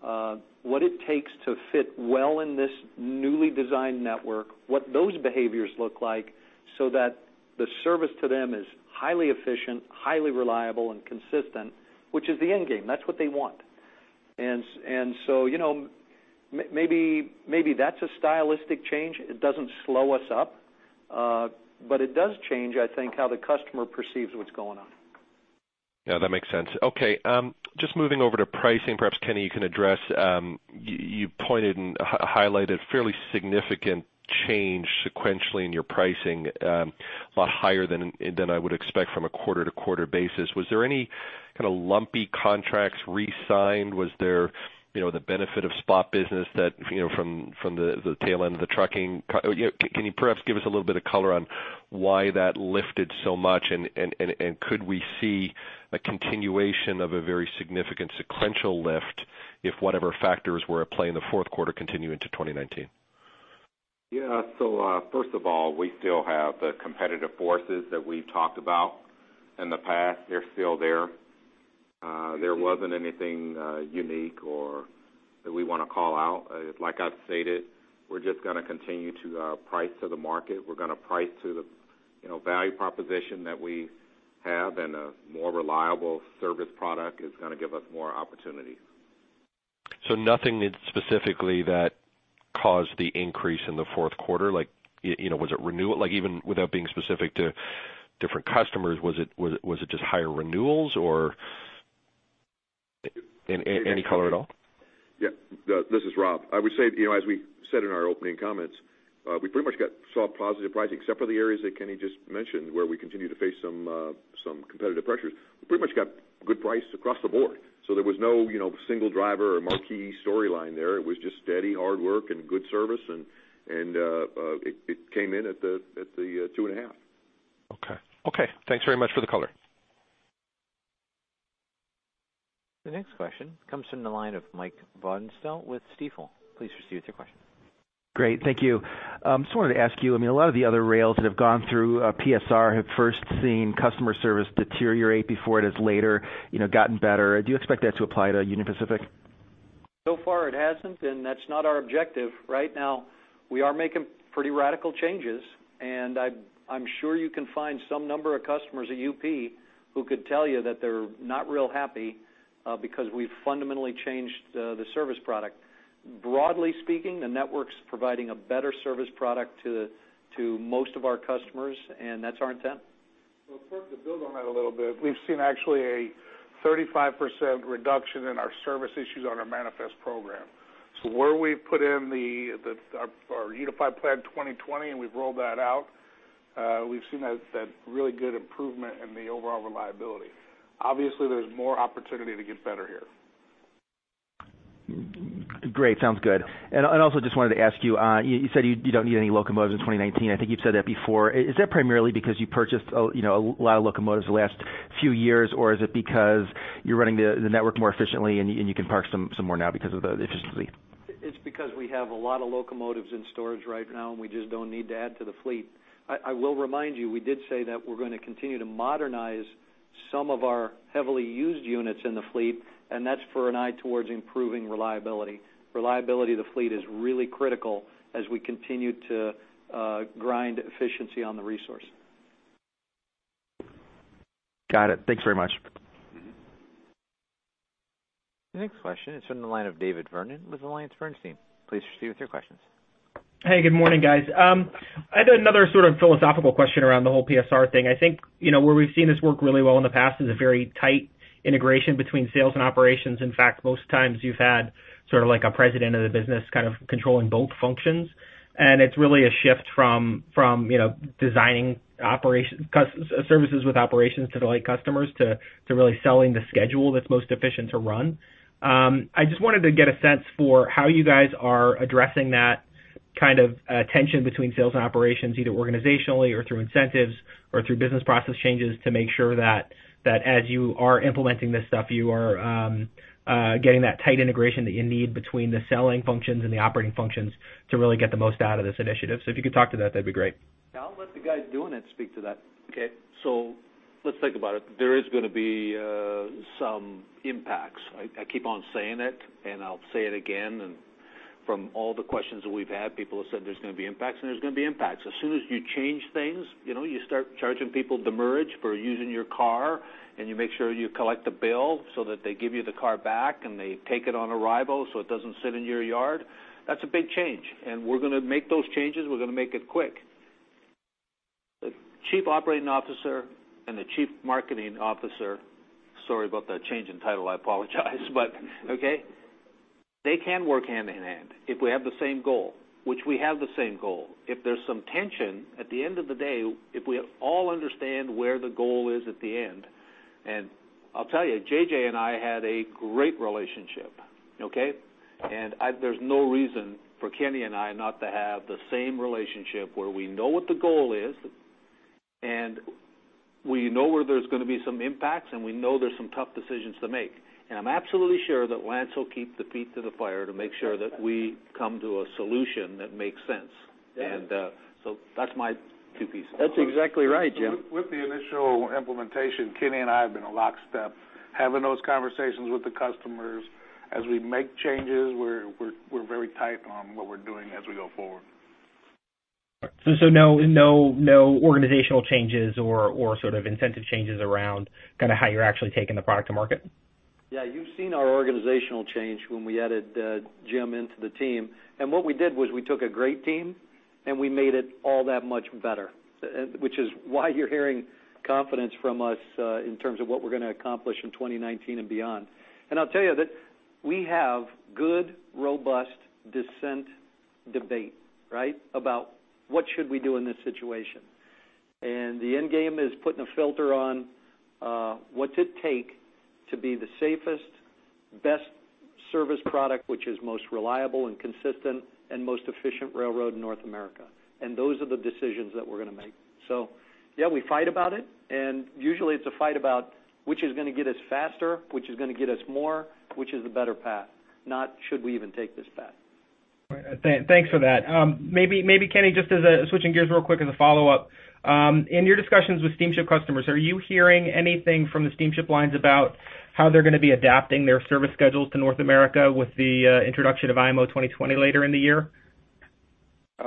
S2: what it takes to fit well in this newly designed network, what those behaviors look like, so that the service to them is highly efficient, highly reliable, and consistent, which is the end game. That's what they want. Maybe that's a stylistic change. It doesn't slow us up. It does change, I think, how the customer perceives what's going on.
S18: Yeah, that makes sense. Okay, just moving over to pricing, perhaps Kenny Rocker, you can address. You pointed and highlighted fairly significant change sequentially in your pricing, a lot higher than I would expect from a quarter-to-quarter basis. Was there any kind of lumpy contracts re-signed? Was there the benefit of spot business from the tail end of the trucking? Can you perhaps give us a little bit of color on why that lifted so much? Could we see a continuation of a very significant sequential lift if whatever factors were at play in the fourth quarter continue into 2019?
S4: Yeah. First of all, we still have the competitive forces that we've talked about in the past. They're still there. There wasn't anything unique or that we want to call out. Like I've stated, we're just going to continue to price to the market. We're going to price to the value proposition that we have, and a more reliable service product is going to give us more opportunities.
S18: Nothing specifically that caused the increase in the fourth quarter? Even without being specific to different customers, was it just higher renewals or any color at all?
S6: Yeah. This is Rob. I would say, as we said in our opening comments, we pretty much saw positive pricing except for the areas that Kenny just mentioned, where we continue to face some competitive pressures. We pretty much got good price across the board. There was no single driver or marquee storyline there. It was just steady hard work and good service, and it came in at the 2.5.
S18: Okay. Thanks very much for the color.
S1: The next question comes from the line of Mike Von Felten with Stifel. Please proceed with your question.
S19: Great. Thank you. Just wanted to ask you, a lot of the other rails that have gone through PSR have first seen customer service deteriorate before it has later gotten better. Do you expect that to apply to Union Pacific?
S2: Far it hasn't, and that's not our objective right now. We are making pretty radical changes, and I'm sure you can find some number of customers at UP who could tell you that they're not real happy because we've fundamentally changed the service product. Broadly speaking, the network's providing a better service product to most of our customers, and that's our intent.
S5: Kirk, to build on that a little bit, we've seen actually a 35% reduction in our service issues on our manifest program. Where we've put in our Unified Plan 2020 and we've rolled that out, we've seen a really good improvement in the overall reliability. Obviously, there's more opportunity to get better here.
S19: Great. Sounds good. Also just wanted to ask you said you don't need any locomotives in 2019. I think you've said that before. Is that primarily because you purchased a lot of locomotives the last few years, or is it because you're running the network more efficiently and you can park some more now because of the efficiency?
S2: It's because we have a lot of locomotives in storage right now. We just don't need to add to the fleet. I will remind you, we did say that we're going to continue to modernize some of our heavily used units in the fleet. That's for an eye towards improving reliability. Reliability of the fleet is really critical as we continue to grind efficiency on the resource.
S19: Got it. Thanks very much.
S1: The next question is from the line of David Vernon with AllianceBernstein. Please proceed with your questions.
S20: Hey, good morning, guys. I had another sort of philosophical question around the whole PSR thing. I think where we've seen this work really well in the past is a very tight integration between sales and operations. In fact, most times you've had sort of like a president of the business kind of controlling both functions, and it's really a shift from designing services with operations to delight customers to really selling the schedule that's most efficient to run. I just wanted to get a sense for how you guys are addressing that kind of a tension between sales and operations, either organizationally or through incentives or through business process changes to make sure that as you are implementing this stuff, you are getting that tight integration that you need between the selling functions and the operating functions to really get the most out of this initiative. If you could talk to that'd be great.
S3: Yeah, I'll let the guys doing it speak to that, okay? Let's think about it. There is going to be some impacts. I keep on saying it, and I'll say it again. From all the questions that we've had, people have said there's going to be impacts. As soon as you change things, you start charging people demurrage for using your car, and you make sure you collect the bill so that they give you the car back, and they take it on arrival, so it doesn't sit in your yard. That's a big change, and we're going to make those changes. We're going to make it quick. The Chief Operating Officer and the Chief Marketing Officer, sorry about that change in title, I apologize, they can work hand in hand if we have the same goal, which we have the same goal. If there's some tension, at the end of the day, if we all understand where the goal is at the end, I'll tell you, JJ and I had a great relationship, okay? There's no reason for Kenny and I not to have the same relationship where we know what the goal is, and we know where there's going to be some impacts, and we know there's some tough decisions to make. I'm absolutely sure that Lance will keep the feet to the fire to make sure that we come to a solution that makes sense.
S2: Yeah.
S3: That's my two pieces.
S4: That's exactly right, Jim.
S5: With the initial implementation, Kenny and I have been in lockstep, having those conversations with the customers. As we make changes, we're very tight on what we're doing as we go forward.
S20: No organizational changes or sort of incentive changes around how you're actually taking the product to market?
S2: You've seen our organizational change when we added Jim into the team, and what we did was we took a great team and we made it all that much better, which is why you're hearing confidence from us in terms of what we're going to accomplish in 2019 and beyond. I'll tell you that we have good, robust, dissent debate about what should we do in this situation. The end game is putting a filter on what's it take to be the safest, best service product, which is most reliable and consistent and most efficient railroad in North America. Those are the decisions that we're going to make. Yeah, we fight about it, and usually it's a fight about which is going to get us faster, which is going to get us more, which is the better path, not should we even take this path.
S20: All right. Thanks for that. Maybe, Kenny, just as a switching gears real quick as a follow-up, in your discussions with steamship customers, are you hearing anything from the steamship lines about how they're going to be adapting their service schedules to North America with the introduction of IMO 2020 later in the year?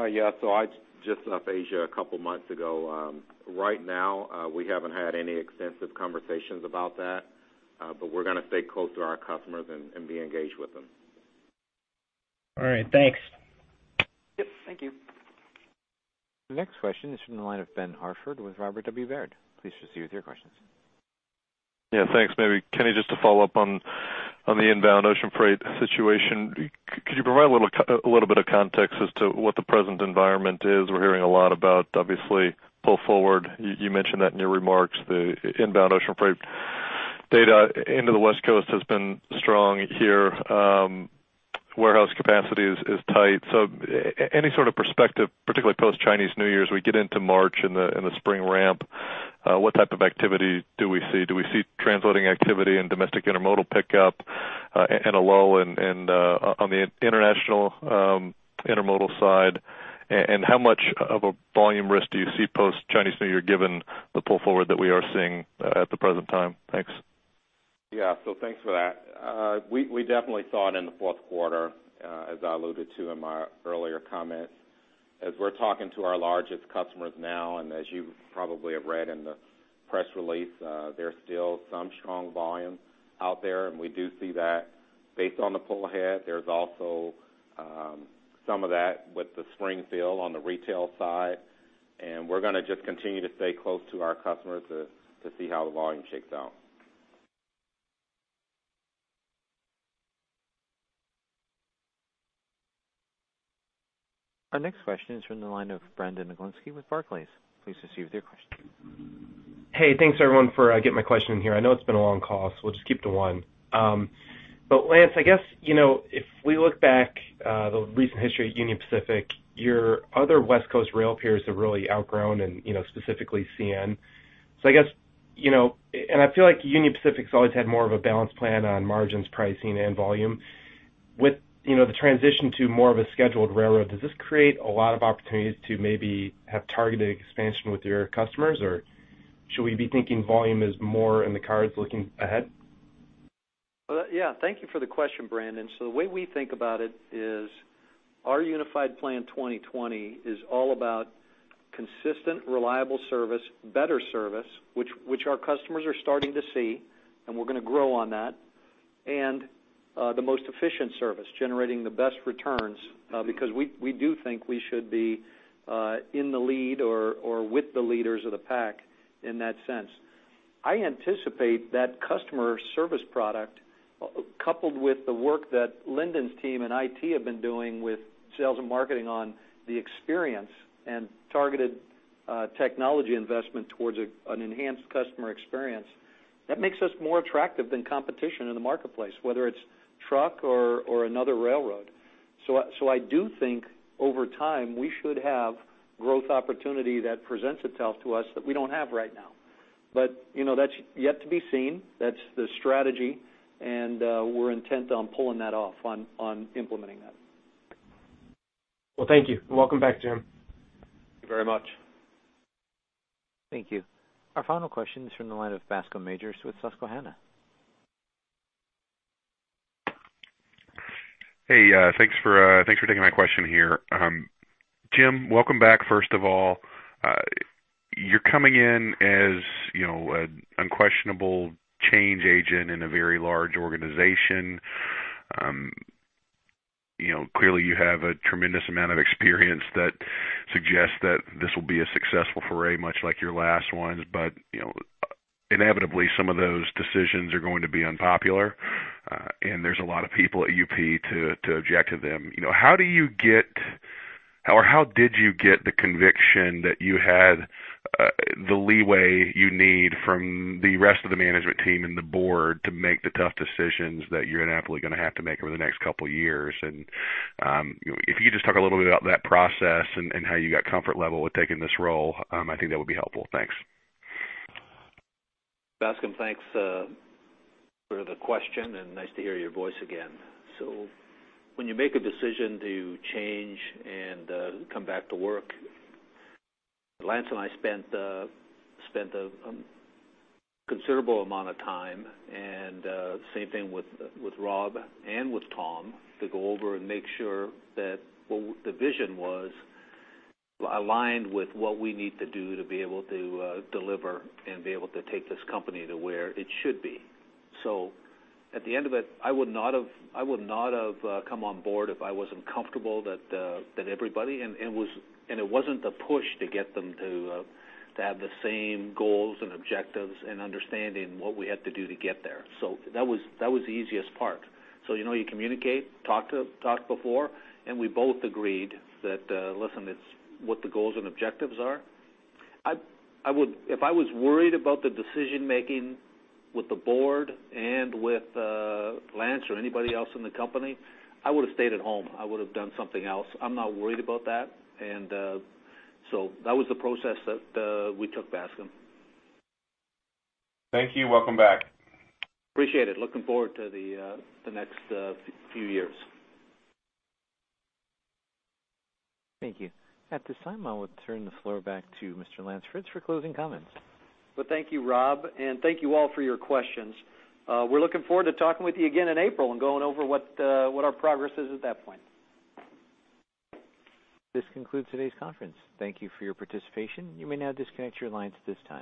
S4: Yeah. I was just up Asia a couple of months ago. Right now, we haven't had any extensive conversations about that, but we're going to stay close to our customers and be engaged with them.
S20: All right. Thanks.
S2: Yep. Thank you.
S1: The next question is from the line of Ben Hartford with Robert W. Baird. Please proceed with your questions.
S21: Yeah, thanks. Maybe Kenny, just to follow up on the inbound ocean freight situation, could you provide a little bit of context as to what the present environment is? We're hearing a lot about, obviously, pull forward. You mentioned that in your remarks, the inbound ocean freight data into the West Coast has been strong here. Warehouse capacity is tight. Any sort of perspective, particularly post-Chinese New Year as we get into March and the spring ramp, what type of activity do we see? Do we see transloading activity and domestic intermodal pickup and a lull and on the international intermodal side, and how much of a volume risk do you see post-Chinese New Year, given the pull forward that we are seeing at the present time? Thanks.
S4: Yeah. Thanks for that. We definitely saw it in the fourth quarter, as I alluded to in my earlier comments. As we're talking to our largest customers now, and as you probably have read in the press release, there's still some strong volume out there, and we do see that based on the pull ahead. There's also some of that with the spring fill on the retail side, and we're going to just continue to stay close to our customers to see how the volume shakes out.
S1: Our next question is from the line of Brandon Oglenski with Barclays. Please proceed with your question.
S22: Hey, thanks everyone for getting my question in here. I know it's been a long call, we'll just keep to one. Lance, I guess, if we look back, the recent history of Union Pacific, your other West Coast rail peers have really outgrown and specifically CN. I guess, I feel like Union Pacific's always had more of a balanced plan on margins, pricing, and volume. With the transition to more of a scheduled railroad, does this create a lot of opportunities to maybe have targeted expansion with your customers, or should we be thinking volume is more in the cards looking ahead?
S2: Yeah. Thank you for the question, Brandon. The way we think about it is our Unified Plan 2020 is all about consistent, reliable service, better service, which our customers are starting to see, and we're going to grow on that, and the most efficient service, generating the best returns, because we do think we should be in the lead or with the leaders of the pack in that sense. I anticipate that customer service product, coupled with the work that Lynden's team and IT have been doing with sales and marketing on the experience and targeted technology investment towards an enhanced customer experience. That makes us more attractive than competition in the marketplace, whether it's truck or another railroad. I do think over time, we should have growth opportunity that presents itself to us that we don't have right now. That's yet to be seen. That's the strategy, we're intent on pulling that off, on implementing that.
S22: Well, thank you, and welcome back, Jim.
S3: Thank you very much.
S1: Thank you. Our final question is from the line of Bascome Majors with Susquehanna.
S23: Hey, thanks for taking my question here. Jim, welcome back, first of all. You're coming in as an unquestionable change agent in a very large organization. Clearly you have a tremendous amount of experience that suggests that this will be a successful foray, much like your last ones. Inevitably, some of those decisions are going to be unpopular. There's a lot of people at UP to object to them. How did you get the conviction that you had the leeway you need from the rest of the management team and the board to make the tough decisions that you're inevitably going to have to make over the next couple of years? If you could just talk a little bit about that process and how you got comfort level with taking this role, I think that would be helpful. Thanks.
S3: Bascome, thanks for the question and nice to hear your voice again. When you make a decision to change and come back to work, Lance and I spent a considerable amount of time, and same thing with Rob and with Tom, to go over and make sure that what the vision was aligned with what we need to do to be able to deliver and be able to take this company to where it should be. At the end of it, I would not have come on board if I wasn't comfortable that everybody, and it wasn't a push to get them to have the same goals and objectives and understanding what we had to do to get there. That was the easiest part. You communicate, talk before, and we both agreed that, listen, it's what the goals and objectives are. If I was worried about the decision making with the board and with Lance or anybody else in the company, I would've stayed at home. I would've done something else. I'm not worried about that. That was the process that we took, Bascome.
S23: Thank you. Welcome back.
S2: Appreciate it. Looking forward to the next few years.
S1: Thank you. At this time, I would turn the floor back to Mr. Lance Fritz for closing comments.
S2: Well, thank you, Rob, and thank you all for your questions. We're looking forward to talking with you again in April and going over what our progress is at that point.
S1: This concludes today's conference. Thank you for your participation. You may now disconnect your lines at this time.